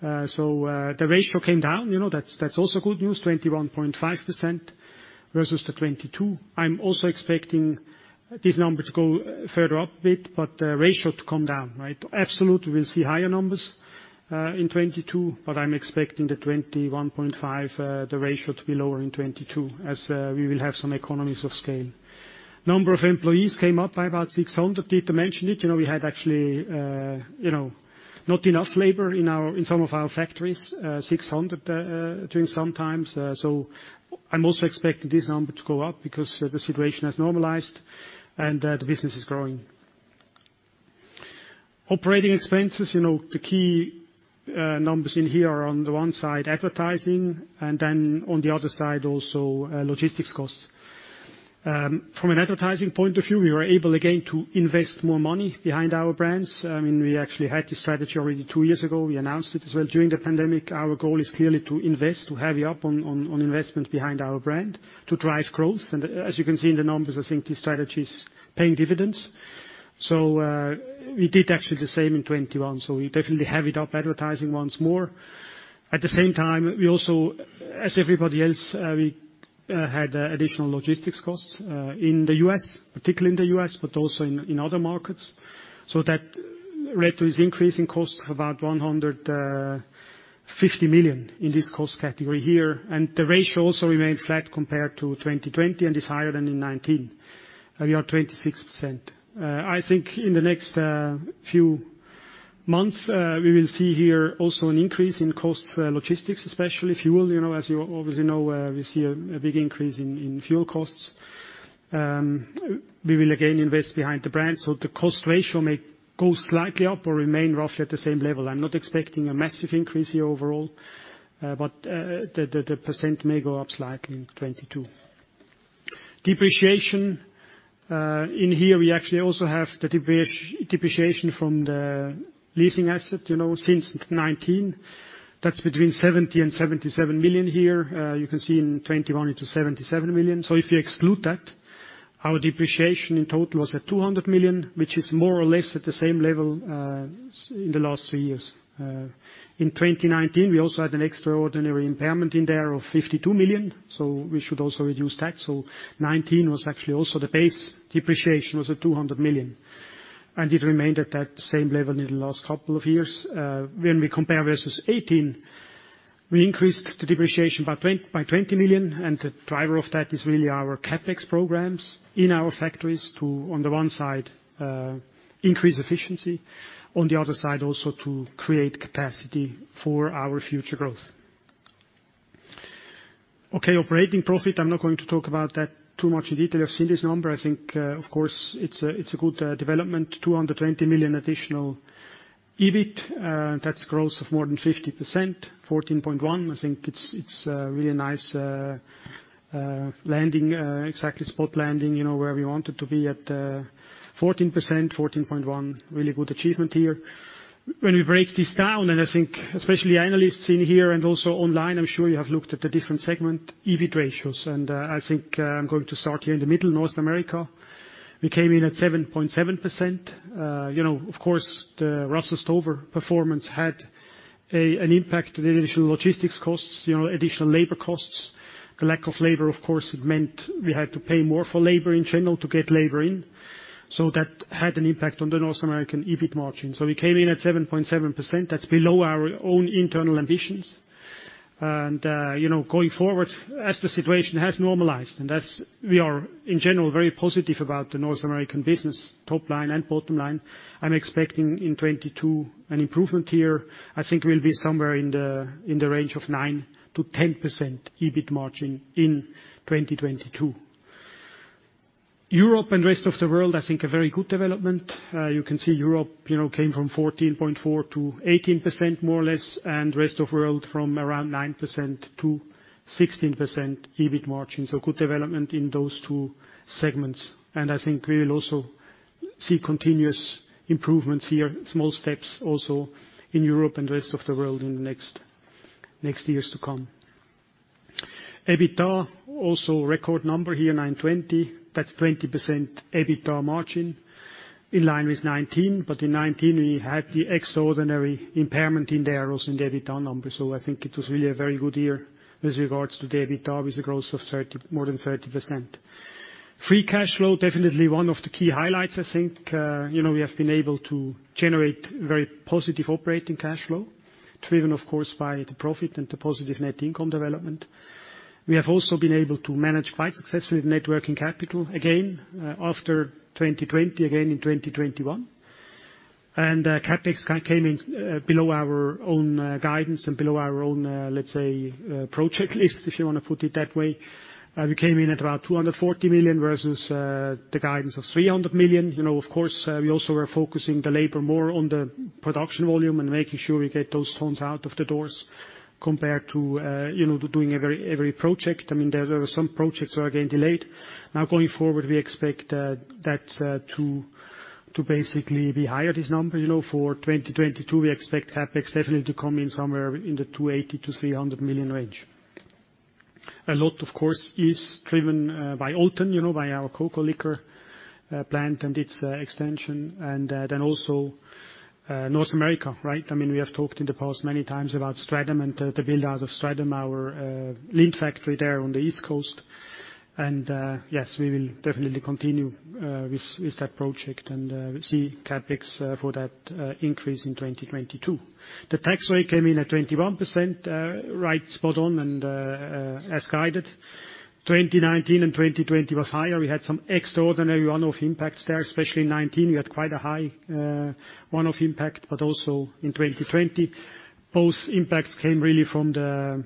The ratio came down. You know, that's also good news, 21.5% versus the 22. I'm also expecting this number to go further up a bit, but the ratio to come down, right? Absolute, we'll see higher numbers in 2022, but I'm expecting the 21.5, the ratio to be lower in 2022 as we will have some economies of scale. Number of employees came up by about 600. Dieter mentioned it. You know, we had actually, you know, not enough labor in some of our factories, 600 during some times. So I'm also expecting this number to go up because the situation has normalized and the business is growing. Operating expenses, you know, the key numbers in here are on the one side, advertising, and then on the other side, also logistics costs. From an advertising point of view, we were able again to invest more money behind our brands. I mean, we actually had this strategy already two years ago. We announced it as well during the pandemic. Our goal is clearly to invest, to heavy up on investment behind our brand to drive growth. As you can see in the numbers, I think this strategy's paying dividends. We did actually the same in 2021. We definitely heavy up advertising once more. At the same time, we also, as everybody else, we had additional logistics costs in the U.S., particularly in the U.S., but also in other markets. That led to this increase in costs of about $150 million in this cost category here. The ratio also remained flat compared to 2020 and is higher than in 2019. We are 26%. I think in the next few months we will see here also an increase in costs, logistics, especially fuel. You know, as you obviously know, we see a big increase in fuel costs. We will again invest behind the brand. The cost ratio may go slightly up or remain roughly at the same level. I'm not expecting a massive increase here overall, but the percent may go up slightly in 2022. Depreciation, in here, we actually also have the depreciation from the leasing asset, you know, since 2019. That's between 70 million and 77 million here. You can see in 2021, it's 77 million. If you exclude that, our depreciation in total was at 200 million, which is more or less at the same level in the last three years. In 2019, we also had an extraordinary impairment in there of 52 million, so we should also reduce that. 2019 was actually also the base depreciation was at 200 million, and it remained at that same level in the last couple of years. When we compare versus 2018, we increased the depreciation by 20 million, and the driver of that is really our CapEx programs in our factories to, on the one side, increase efficiency, on the other side, also to create capacity for our future growth. Okay, operating profit, I'm not going to talk about that too much in detail. You've seen this number. I think, of course, it's a good development, 220 million additional EBIT. That's growth of more than 50%, 14.1. I think it's really nice landing, exactly spot landing, you know, where we wanted to be at 14%, 14.1. Really good achievement here. When we break this down, I think especially analysts in here and also online, I'm sure you have looked at the different segment EBIT ratios. I think I'm going to start here in the middle, North America. We came in at 7.7%. You know, of course, the Russell Stover performance had an impact to the initial logistics costs, you know, additional labor costs. The lack of labor, of course, it meant we had to pay more for labor in general to get labor in. That had an impact on the North American EBIT margin. We came in at 7.7%. That's below our own internal ambitions. You know, going forward, as the situation has normalized, and as we are, in general, very positive about the North American business top line and bottom line, I'm expecting in 2022 an improvement here. I think we'll be somewhere in the range of 9%-10% EBIT margin in 2022. Europe and rest of the world, I think a very good development. You can see Europe, you know, came from 14.4%-18% more or less, and rest of world from around 9%-16% EBIT margin. Good development in those two segments. I think we will also see continuous improvements here, small steps also in Europe and rest of the world in the next years to come. EBITDA, also record number here, 920. That's 20% EBITDA margin, in line with 2019. In 2019 we had the extraordinary impairment in there also in the EBITDA number. I think it was really a very good year with regards to the EBITDA with the growth of more than 30%. Free cash flow, definitely one of the key highlights, I think. You know, we have been able to generate very positive operating cash flow, driven of course, by the profit and the positive net income development. We have also been able to manage quite successfully the net working capital again, after 2020, again in 2021. CapEx came in below our own guidance and below our own, let's say, project list, if you wanna put it that way. We came in at about 240 million versus the guidance of 300 million. You know, of course, we also were focusing the labor more on the production volume and making sure we get those tons out of the doors compared to, you know, doing every project. I mean, there were some projects that were, again, delayed. Now going forward, we expect that to basically be higher, this number. You know, for 2022, we expect CapEx definitely to come in somewhere in the 280 million-300 million range. A lot, of course, is driven by Olten, you know, by our cocoa liquor plant and its extension, and then also North America, right? I mean, we have talked in the past many times about Stratham and the build-out of Stratham, our lead factory there on the East Coast. Yes, we will definitely continue with that project and see CapEx for that increase in 2022. The tax rate came in at 21%, right spot on and as guided. 2019 and 2020 was higher. We had some extraordinary one-off impacts there, especially in 2019 we had quite a high one-off impact, but also in 2020. Both impacts came really from the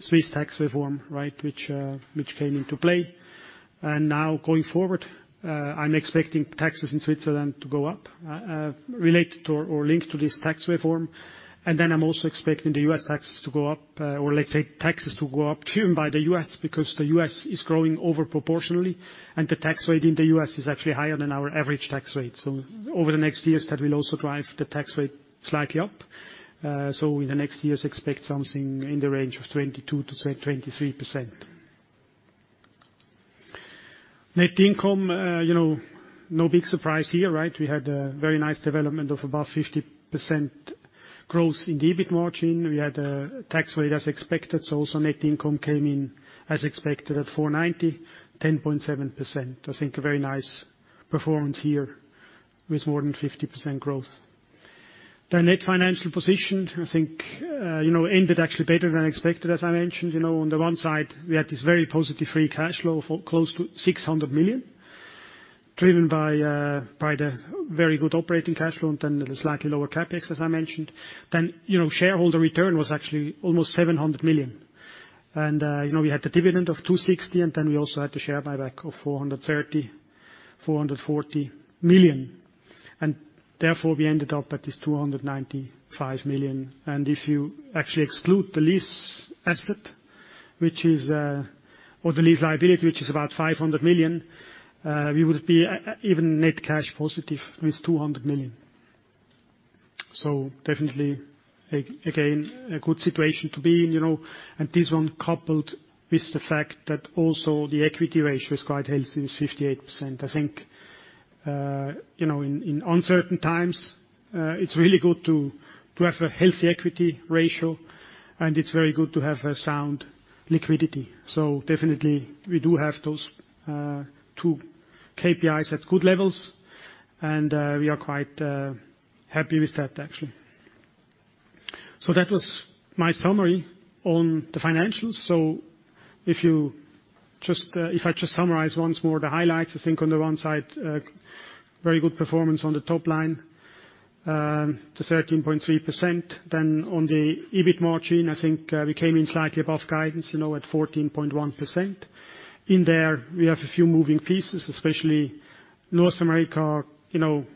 Swiss tax reform, right, which came into play. Now going forward, I'm expecting taxes in Switzerland to go up, related or linked to this Swiss tax reform. I'm also expecting the U.S. taxes to go up, or let's say taxes to go up due to the U.S. because the U.S. is growing over proportionally, and the tax rate in the U.S. is actually higher than our average tax rate. Over the next years, that will also drive the tax rate slightly up. In the next years, expect something in the range of 22%-23%. Net income, you know, no big surprise here, right? We had a very nice development of about 50% growth in the EBIT margin. We had tax rate as expected, so also net income came in as expected at 490, 10.7%. I think a very nice performance here with more than 50% growth. The net financial position, I think, ended actually better than expected, as I mentioned. On the one side, we had this very positive free cash flow for close to 600 million, driven by the very good operating cash flow and then the slightly lower CapEx, as I mentioned. Shareholder return was actually almost 700 million. We had the dividend of 260, and then we also had the share buyback of 440 million. Therefore, we ended up at this 295 million. If you actually exclude the lease asset, which is, or the lease liability, which is about 500 million, we would be even net cash positive with 200 million. Definitely again, a good situation to be in, you know. This one coupled with the fact that also the equity ratio is quite healthy, it's 58%. I think, you know, in uncertain times, it's really good to have a healthy equity ratio, and it's very good to have a sound liquidity. Definitely we do have those two KPIs at good levels, and we are quite happy with that, actually. That was my summary on the financials. If I just summarize once more the highlights, I think on the one side, a very good performance on the top line to 13.3%. Then on the EBIT margin, I think we came in slightly above guidance, you know, at 14.1%. In there, we have a few moving pieces, especially North America, you know,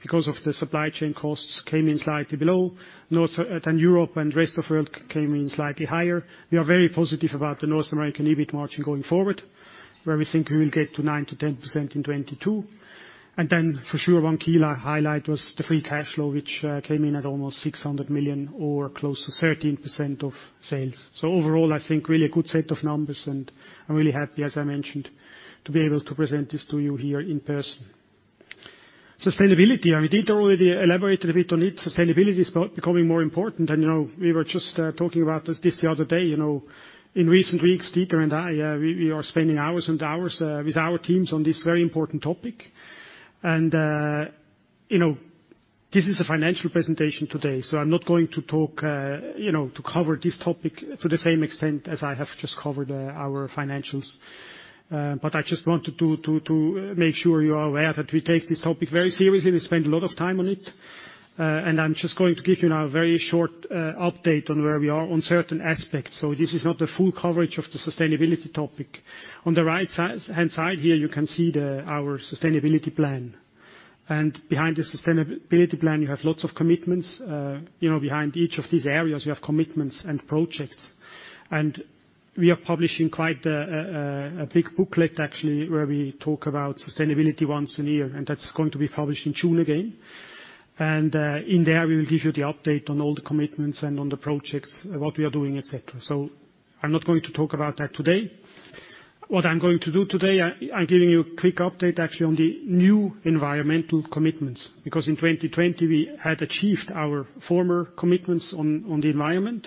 because of the supply chain costs, came in slightly below. Then Europe and rest of world came in slightly higher. We are very positive about the North American EBIT margin going forward, where we think we will get to 9%-10% in 2022. Then for sure, one key highlight was the free cash flow, which came in at almost 600 million or close to 13% of sales. Overall, I think really a good set of numbers, and I'm really happy, as I mentioned, to be able to present this to you here in person. Sustainability. I mean, Dieter already elaborated a bit on it. Sustainability is becoming more important, and, you know, we were just talking about this the other day, you know. In recent weeks, Dieter and I, we are spending hours and hours with our teams on this very important topic. You know, this is a financial presentation today, so I'm not going to talk, you know, to cover this topic to the same extent as I have just covered our financials. But I just wanted to make sure you are aware that we take this topic very seriously. We spend a lot of time on it. I'm just going to give you now a very short update on where we are on certain aspects. This is not the full coverage of the sustainability topic. On the right-hand side here, you can see our sustainability plan. Behind the sustainability plan, you have lots of commitments. You know, behind each of these areas, you have commitments and projects. We are publishing quite a big booklet actually, where we talk about sustainability once a year, and that's going to be published in June again. In there, we will give you the update on all the commitments and on the projects, what we are doing, et cetera. I'm not going to talk about that today. What I'm going to do today, I'm giving you a quick update actually on the new environmental commitments, because in 2020 we had achieved our former commitments on the environment.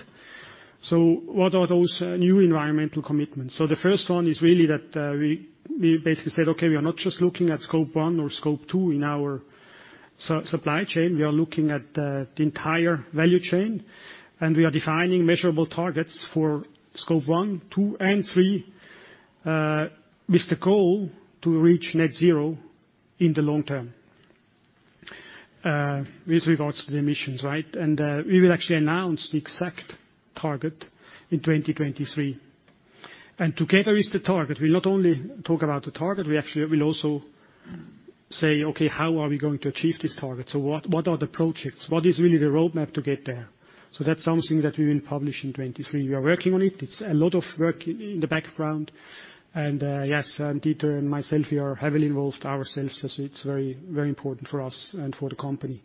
What are those new environmental commitments? The first one is really that we basically said, "Okay, we are not just looking at Scope 1 or Scope 2 in our supply chain. We are looking at the entire value chain, and we are defining measurable targets for Scope 1, 2, and 3 with the goal to reach net zero in the long term with regards to the emissions," right? We will actually announce the exact target in 2023. Together with the target, we'll not only talk about the target, we actually will also say, "Okay, how are we going to achieve this target? What are the projects? What is really the roadmap to get there?" That's something that we will publish in 2023. We are working on it. It's a lot of work in the background. Dieter and myself, we are heavily involved ourselves as it's very, very important for us and for the company.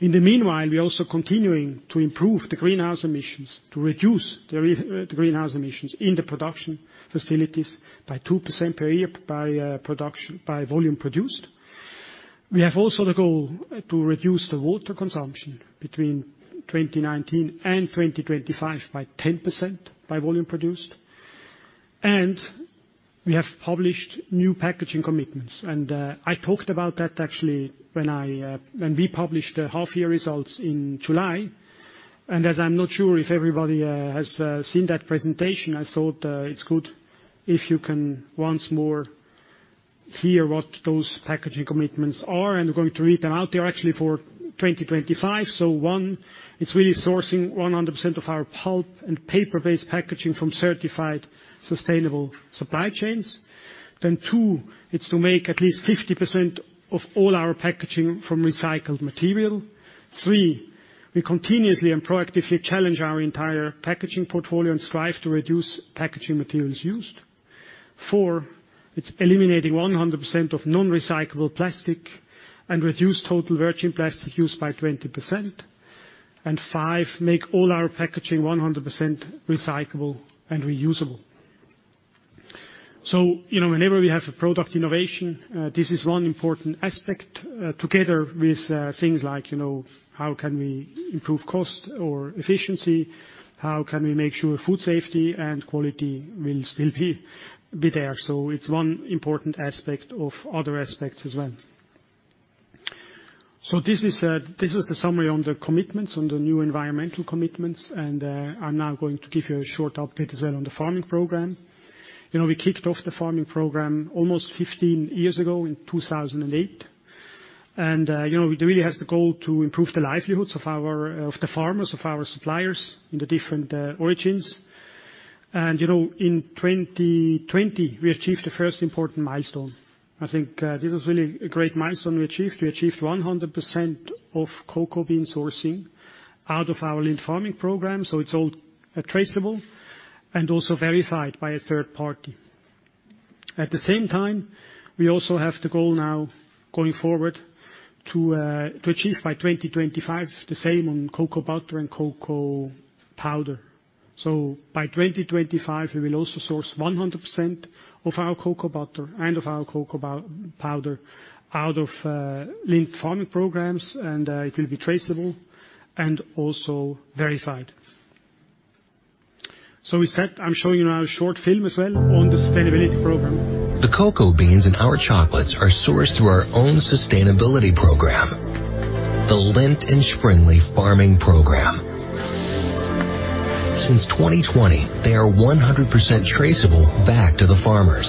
In the meanwhile, we're also continuing to improve the greenhouse emissions, to reduce the greenhouse emissions in the production facilities by 2% per year by production, by volume produced. We have also the goal to reduce the water consumption between 2019 and 2025 by 10% by volume produced. We have published new packaging commitments. I talked about that actually when we published the half-year results in July. I'm not sure if everybody has seen that presentation, I thought it's good if you can once more hear what those packaging commitments are, and I'm going to read them out. They are actually for 2025. One, it's really sourcing 100% of our pulp and paper-based packaging from certified sustainable supply chains. Two, it's to make at least 50% of all our packaging from recycled material. Three, we continuously and proactively challenge our entire packaging portfolio and strive to reduce packaging materials used. Four, it's eliminating 100% of non-recyclable plastic and reduce total virgin plastic use by 20%. Five, make all our packaging 100% recyclable and reusable. You know, whenever we have a product innovation, this is one important aspect, together with things like, you know, how can we improve cost or efficiency? How can we make sure food safety and quality will still be there? It's one important aspect of other aspects as well. This is, this was the summary on the commitments, on the new environmental commitments, and I'm now going to give you a short update as well on the farming program. You know, we kicked off the farming program almost 15 years ago in 2008. You know, it really has the goal to improve the livelihoods of our farmers, our suppliers in the different origins. You know, in 2020, we achieved the first important milestone. I think this was really a great milestone we achieved. We achieved 100% of cocoa bean sourcing out of our Lindt Farming Program, so it's all traceable and also verified by a third party. At the same time, we also have the goal now going forward to achieve by 2025 the same on cocoa butter and cocoa powder. By 2025, we will also source 100% of our cocoa butter and of our cocoa powder out of Lindt Farming Programs, and it will be traceable and also verified. With that, I'm showing you now a short film as well on the sustainability program. The cocoa beans in our chocolates are sourced through our own sustainability program, the Lindt & Sprüngli Farming Program. Since 2020, they are 100% traceable back to the farmers.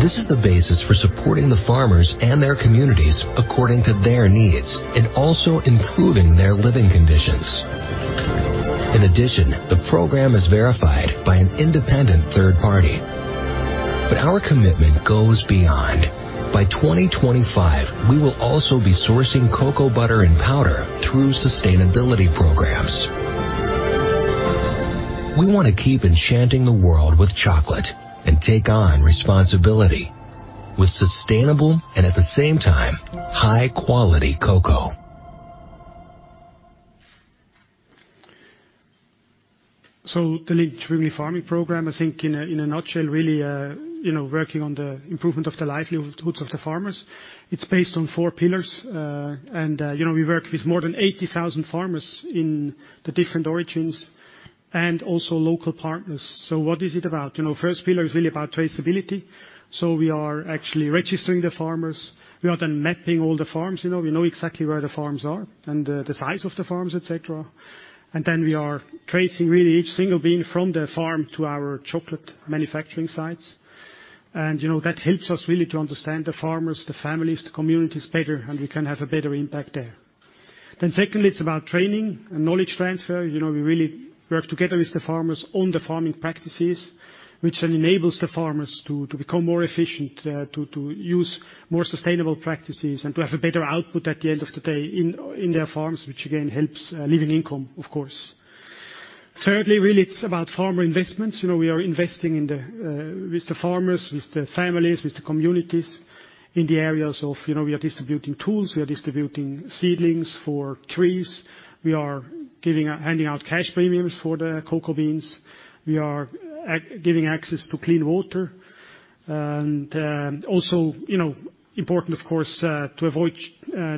This is the basis for supporting the farmers and their communities according to their needs and also improving their living conditions. In addition, the program is verified by an independent third party. Our commitment goes beyond. By 2025, we will also be sourcing cocoa butter and powder through sustainability programs. We wanna keep enchanting the world with chocolate and take on responsibility with sustainable and, at the same time, high-quality cocoa. The Lindt & Sprüngli Farming Program, I think in a nutshell, really, you know, working on the improvement of the livelihoods of the farmers. It's based on four pillars. You know, we work with more than 80,000 farmers in the different origins and also local partners. What is it about? You know, first pillar is really about traceability. We are actually registering the farmers. We are then mapping all the farms, you know, we know exactly where the farms are and the size of the farms, et cetera. Then we are tracing really each single bean from the farm to our chocolate manufacturing sites. You know, that helps us really to understand the farmers, the families, the communities better, and we can have a better impact there. Then secondly, it's about training and knowledge transfer. You know, we really work together with the farmers on the farming practices, which then enables the farmers to become more efficient, to use more sustainable practices and to have a better output at the end of the day in their farms, which again, helps a living income, of course. Thirdly, really it's about farmer investments. You know, we are investing in the, with the farmers, with the families, with the communities in the areas of, you know, we are distributing tools, we are distributing seedlings for trees. We are handing out cash premiums for the cocoa beans. We are giving access to clean water. Also, you know, important of course, to avoid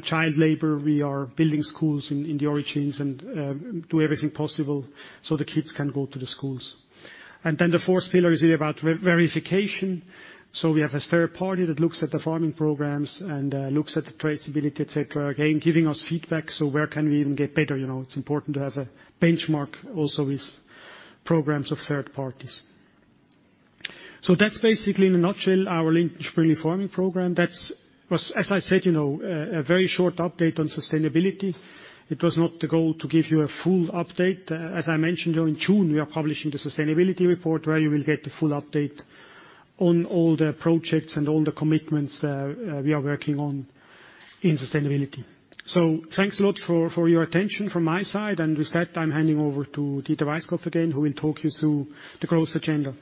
child labor, we are building schools in the origins and do everything possible so the kids can go to the schools. Then the fourth pillar is really about verification. We have a third party that looks at the farming programs and looks at the traceability, et cetera. Again, giving us feedback, so where can we even get better, you know, it's important to have a benchmark also with programs of third parties. That's basically in a nutshell our Lindt & Sprüngli Farming Program. That was, as I said, you know, a very short update on sustainability. It was not the goal to give you a full update. As I mentioned, though, in June, we are publishing the sustainability report where you will get the full update on all the projects and all the commitments we are working on in sustainability. Thanks a lot for your attention from my side. With that, I'm handing over to Dieter Weisskopf again, who will talk you through the growth agenda.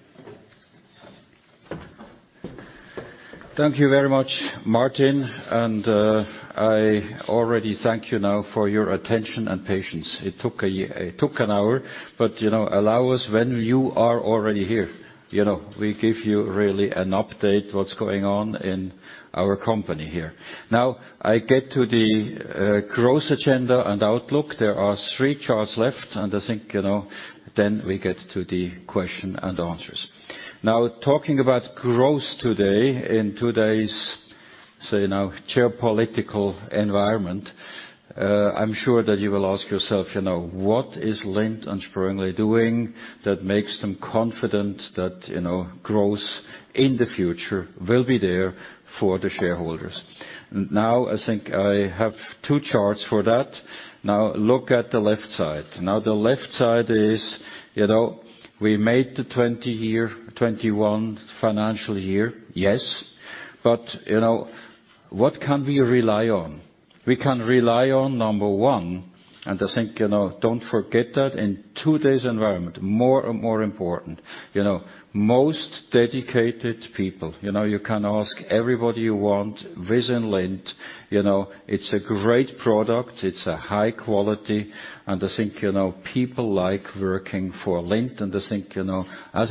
Thank you very much, Martin. I already thank you now for your attention and patience. It took an hour, but you know, allow us when you are already here. You know, we give you really an update what's going on in our company here. Now I get to the growth agenda and outlook. There are three charts left, and I think you know, then we get to the question and answers. Now, talking about growth today in today's, say now, geopolitical environment, I'm sure that you will ask yourself, you know, "What is Lindt & Sprüngli doing that makes them confident that you know, growth in the future will be there for the shareholders?" Now, I think I have two charts for that. Now look at the left side. Now, the left side is, you know, we made the 2021 financial year. Yes. But, you know, what can we rely on? We can rely on number one, and I think, you know, don't forget that in today's environment, more and more important, you know, most dedicated people. You know, you can ask everybody you want. Within Lindt, you know, it's a great product. It's high quality. I think, you know, as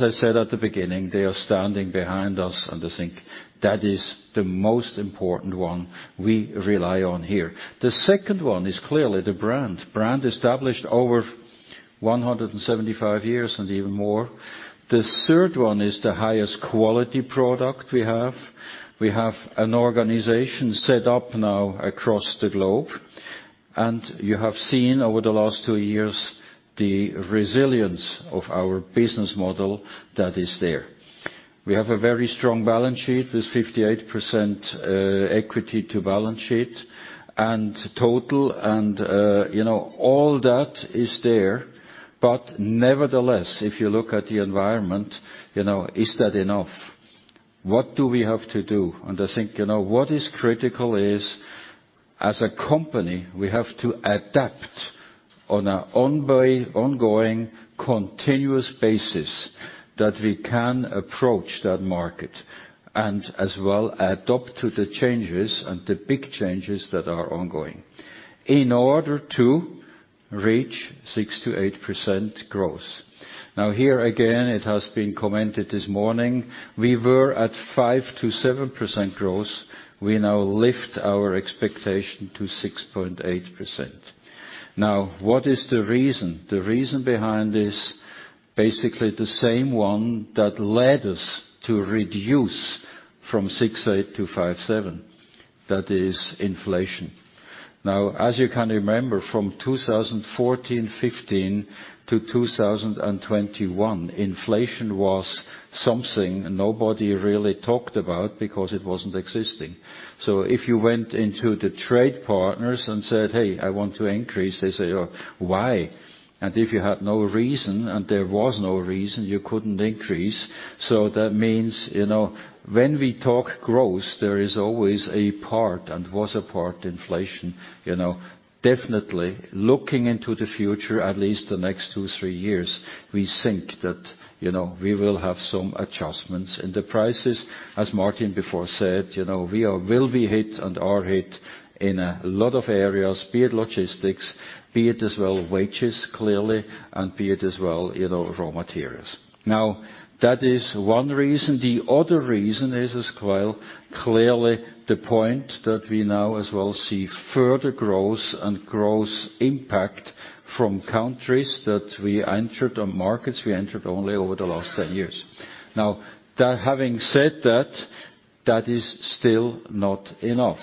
I said at the beginning, they are standing behind us, and I think that is the most important one we rely on here. The second one is clearly the brand established over 175 years and even more. The third one is the highest quality product we have. We have an organization set up now across the globe, and you have seen over the last two years the resilience of our business model that is there. We have a very strong balance sheet with 58% equity to balance sheet and total, you know, all that is there. Nevertheless, if you look at the environment, you know, is that enough? What do we have to do? I think, you know, what is critical is, as a company, we have to adapt on an ongoing continuous basis that we can approach that market and as well adapt to the changes and the big changes that are ongoing in order to reach 6%-8% growth. Now, here again, it has been commented this morning, we were at 5%-7% growth. We now lift our expectation to 6.8%. Now, what is the reason? The reason behind this, basically the same one that led us to reduce from 68% to 57%. That is inflation. Now, as you can remember, from 2014-2015 to 2021, inflation was something nobody really talked about because it wasn't existing. So if you went to the trade partners and said, "Hey, I want to increase." They say, "Why?" And if you had no reason and there was no reason, you couldn't increase. So that means, you know, when we talk growth, there is always a part and was a part inflation. You know, definitely looking into the future, at least the next 2-3 years, we think that, you know, we will have some adjustments in the prices. As Martin said before, you know, we are... will be hit and are hit in a lot of areas, be it logistics, be it as well wages, clearly, and be it as well, you know, raw materials. Now, that is one reason. The other reason is as well. Clearly the point that we now as well see further growth and growth impact from countries that we entered or markets we entered only over the last 10 years. Now, that having said that is still not enough.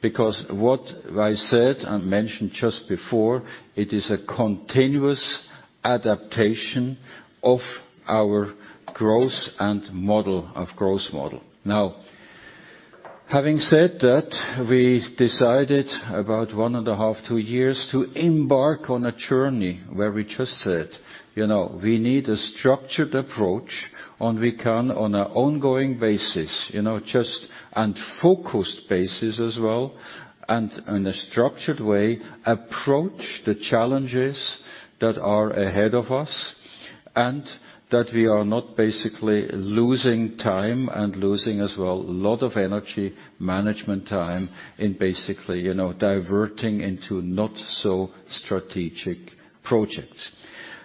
Because what I said and mentioned just before, it is a continuous adaptation of our growth and model, of growth model. Now, having said that, we decided about 1.5-2 years to embark on a journey where we just said, you know, we need a structured approach and we can on an ongoing basis, you know, just and focused basis as well, and in a structured way approach the challenges that are ahead of us, and that we are not basically losing time and losing as well a lot of energy management time in basically, you know, diverting into not so strategic projects.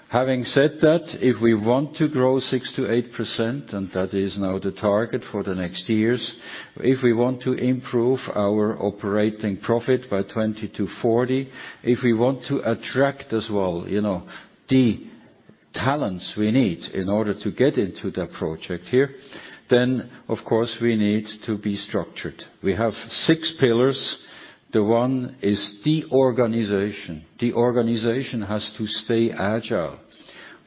Having said that, if we want to grow 6%-8%, and that is now the target for the next years, if we want to improve our operating profit by 20-40, if we want to attract as well, you know, the talents we need in order to get into the project here, then of course we need to be structured. We have six pillars. The one is the organization. The organization has to stay agile.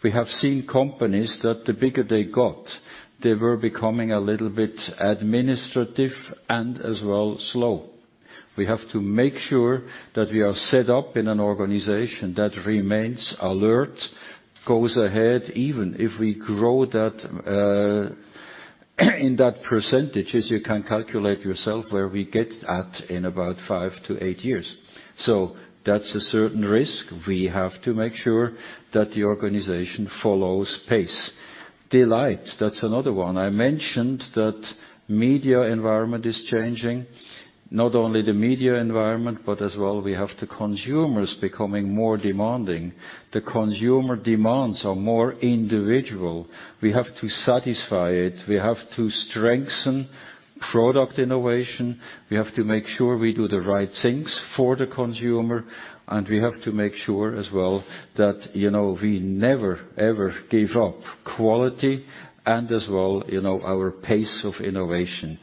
We have seen companies that the bigger they got, they were becoming a little bit administrative and as well slow. We have to make sure that we are set up in an organization that remains alert, goes ahead, even if we grow that, in that percentage, as you can calculate yourself, where we get at in about 5-8 years. That's a certain risk. We have to make sure that the organization follows pace. Delight, that's another one. I mentioned that media environment is changing. Not only the media environment, but as well we have the consumers becoming more demanding. The consumer demands are more individual. We have to satisfy it. We have to strengthen product innovation. We have to make sure we do the right things for the consumer, and we have to make sure as well that, you know, we never, ever give up quality and as well, you know, our pace of innovation.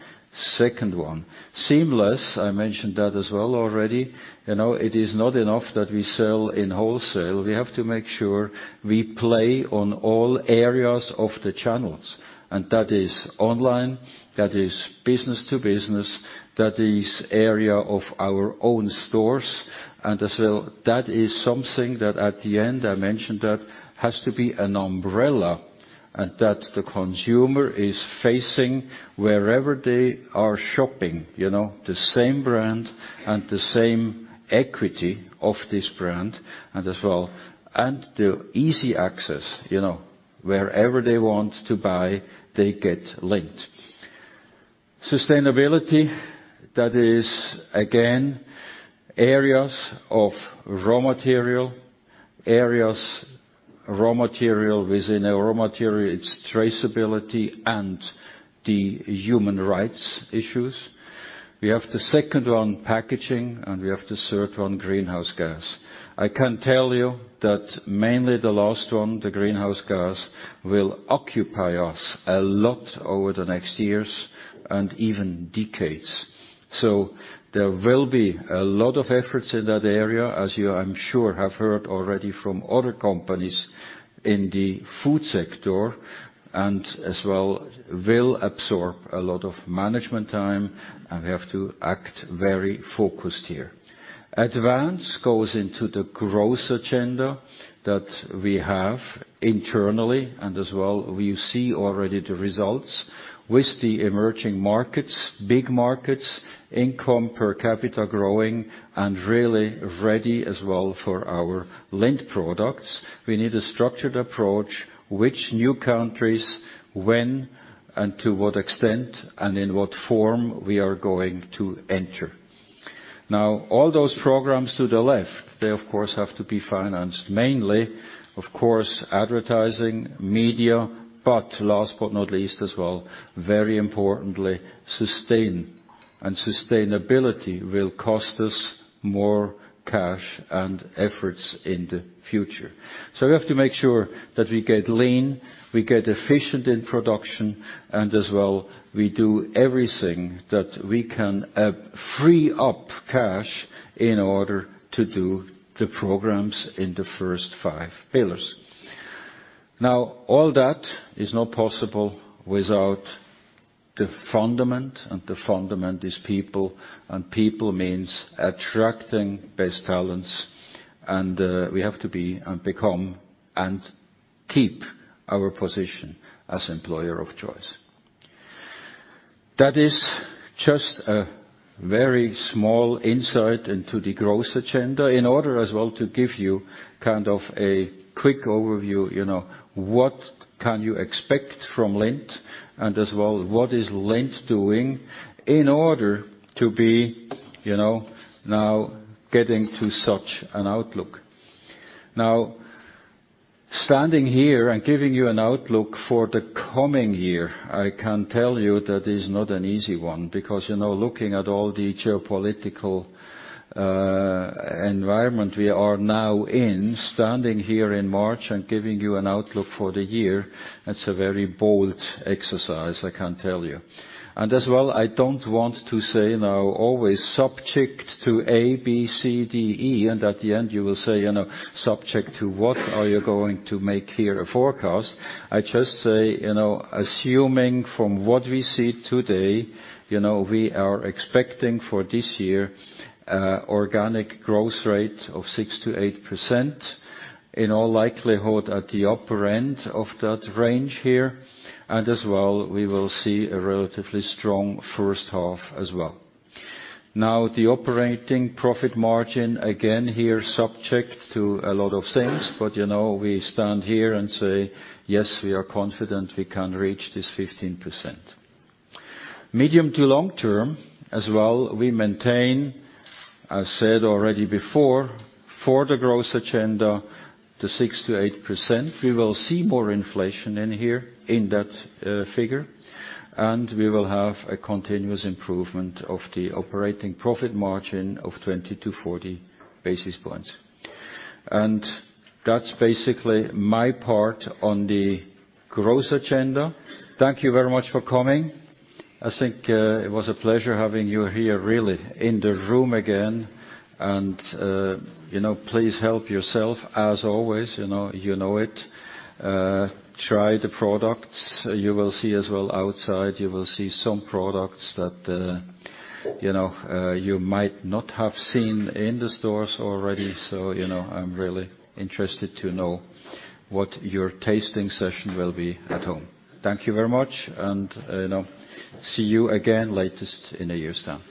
Second one, seamless, I mentioned that as well already. You know, it is not enough that we sell in wholesale. We have to make sure we play on all areas of the channels, and that is online, that is business to business, that is area of our own stores, and as well that is something that at the end, I mentioned that, has to be an umbrella and that the consumer is facing wherever they are shopping. You know, the same brand and the same equity of this brand and as well, and the easy access, you know, wherever they want to buy, they get Lindt. Sustainability, that is again areas of raw material within a raw material, its traceability and the human rights issues. We have the second one, packaging, and we have the third one, greenhouse gas. I can tell you that mainly the last one, the greenhouse gas, will occupy us a lot over the next years and even decades. There will be a lot of efforts in that area, as you, I'm sure, have heard already from other companies in the food sector, and as well will absorb a lot of management time, and we have to act very focused here. And this goes into the growth agenda that we have internally and as well we see already the results with the emerging markets, big markets, income per capita growing and really ready as well for our Lindt products. We need a structured approach to which new countries, when and to what extent and in what form we are going to enter. Now all those programs to the left, they of course have to be financed mainly, of course, advertising, media, but last but not least as well, very importantly, sustainability. Sustainability will cost us more cash and efforts in the future. We have to make sure that we get lean, we get efficient in production and as well we do everything that we can, free up cash in order to do the programs in the first five pillars. Now, all that is not possible without the fundament, and the fundament is people, and people means attracting best talents, and we have to be and become and keep our position as employer of choice. That is just a very small insight into the growth agenda. In order as well to give you kind of a quick overview, you know, what can you expect from Lindt and as well what is Lindt doing in order to be, you know, now getting to such an outlook. Now, standing here and giving you an outlook for the coming year, I can tell you that is not an easy one because, you know, looking at all the geopolitical environment we are now in, standing here in March and giving you an outlook for the year, that's a very bold exercise, I can tell you. As well, I don't want to say now always subject to A, B, C, D, E, and at the end you will say, you know, subject to what are you going to make here a forecast? I just say, you know, assuming from what we see today, you know, we are expecting for this year organic growth rate of 6%-8%, in all likelihood at the upper end of that range here. As well, we will see a relatively strong first half as well. Now, the operating profit margin, again here, subject to a lot of things, but, you know, we stand here and say, "Yes, we are confident we can reach this 15%." Medium to long term, as well, we maintain, I said already before, for the growth agenda, the 6%-8%. We will see more inflation in here in that figure, and we will have a continuous improvement of the operating profit margin of 20-40 basis points. That's basically my part on the growth agenda. Thank you very much for coming. I think it was a pleasure having you here really in the room again. You know, please help yourself as always. You know it. Try the products. You will see as well outside some products that you know you might not have seen in the stores already. You know, I'm really interested to know what your tasting session will be at home. Thank you very much, and see you again latest in a year's time.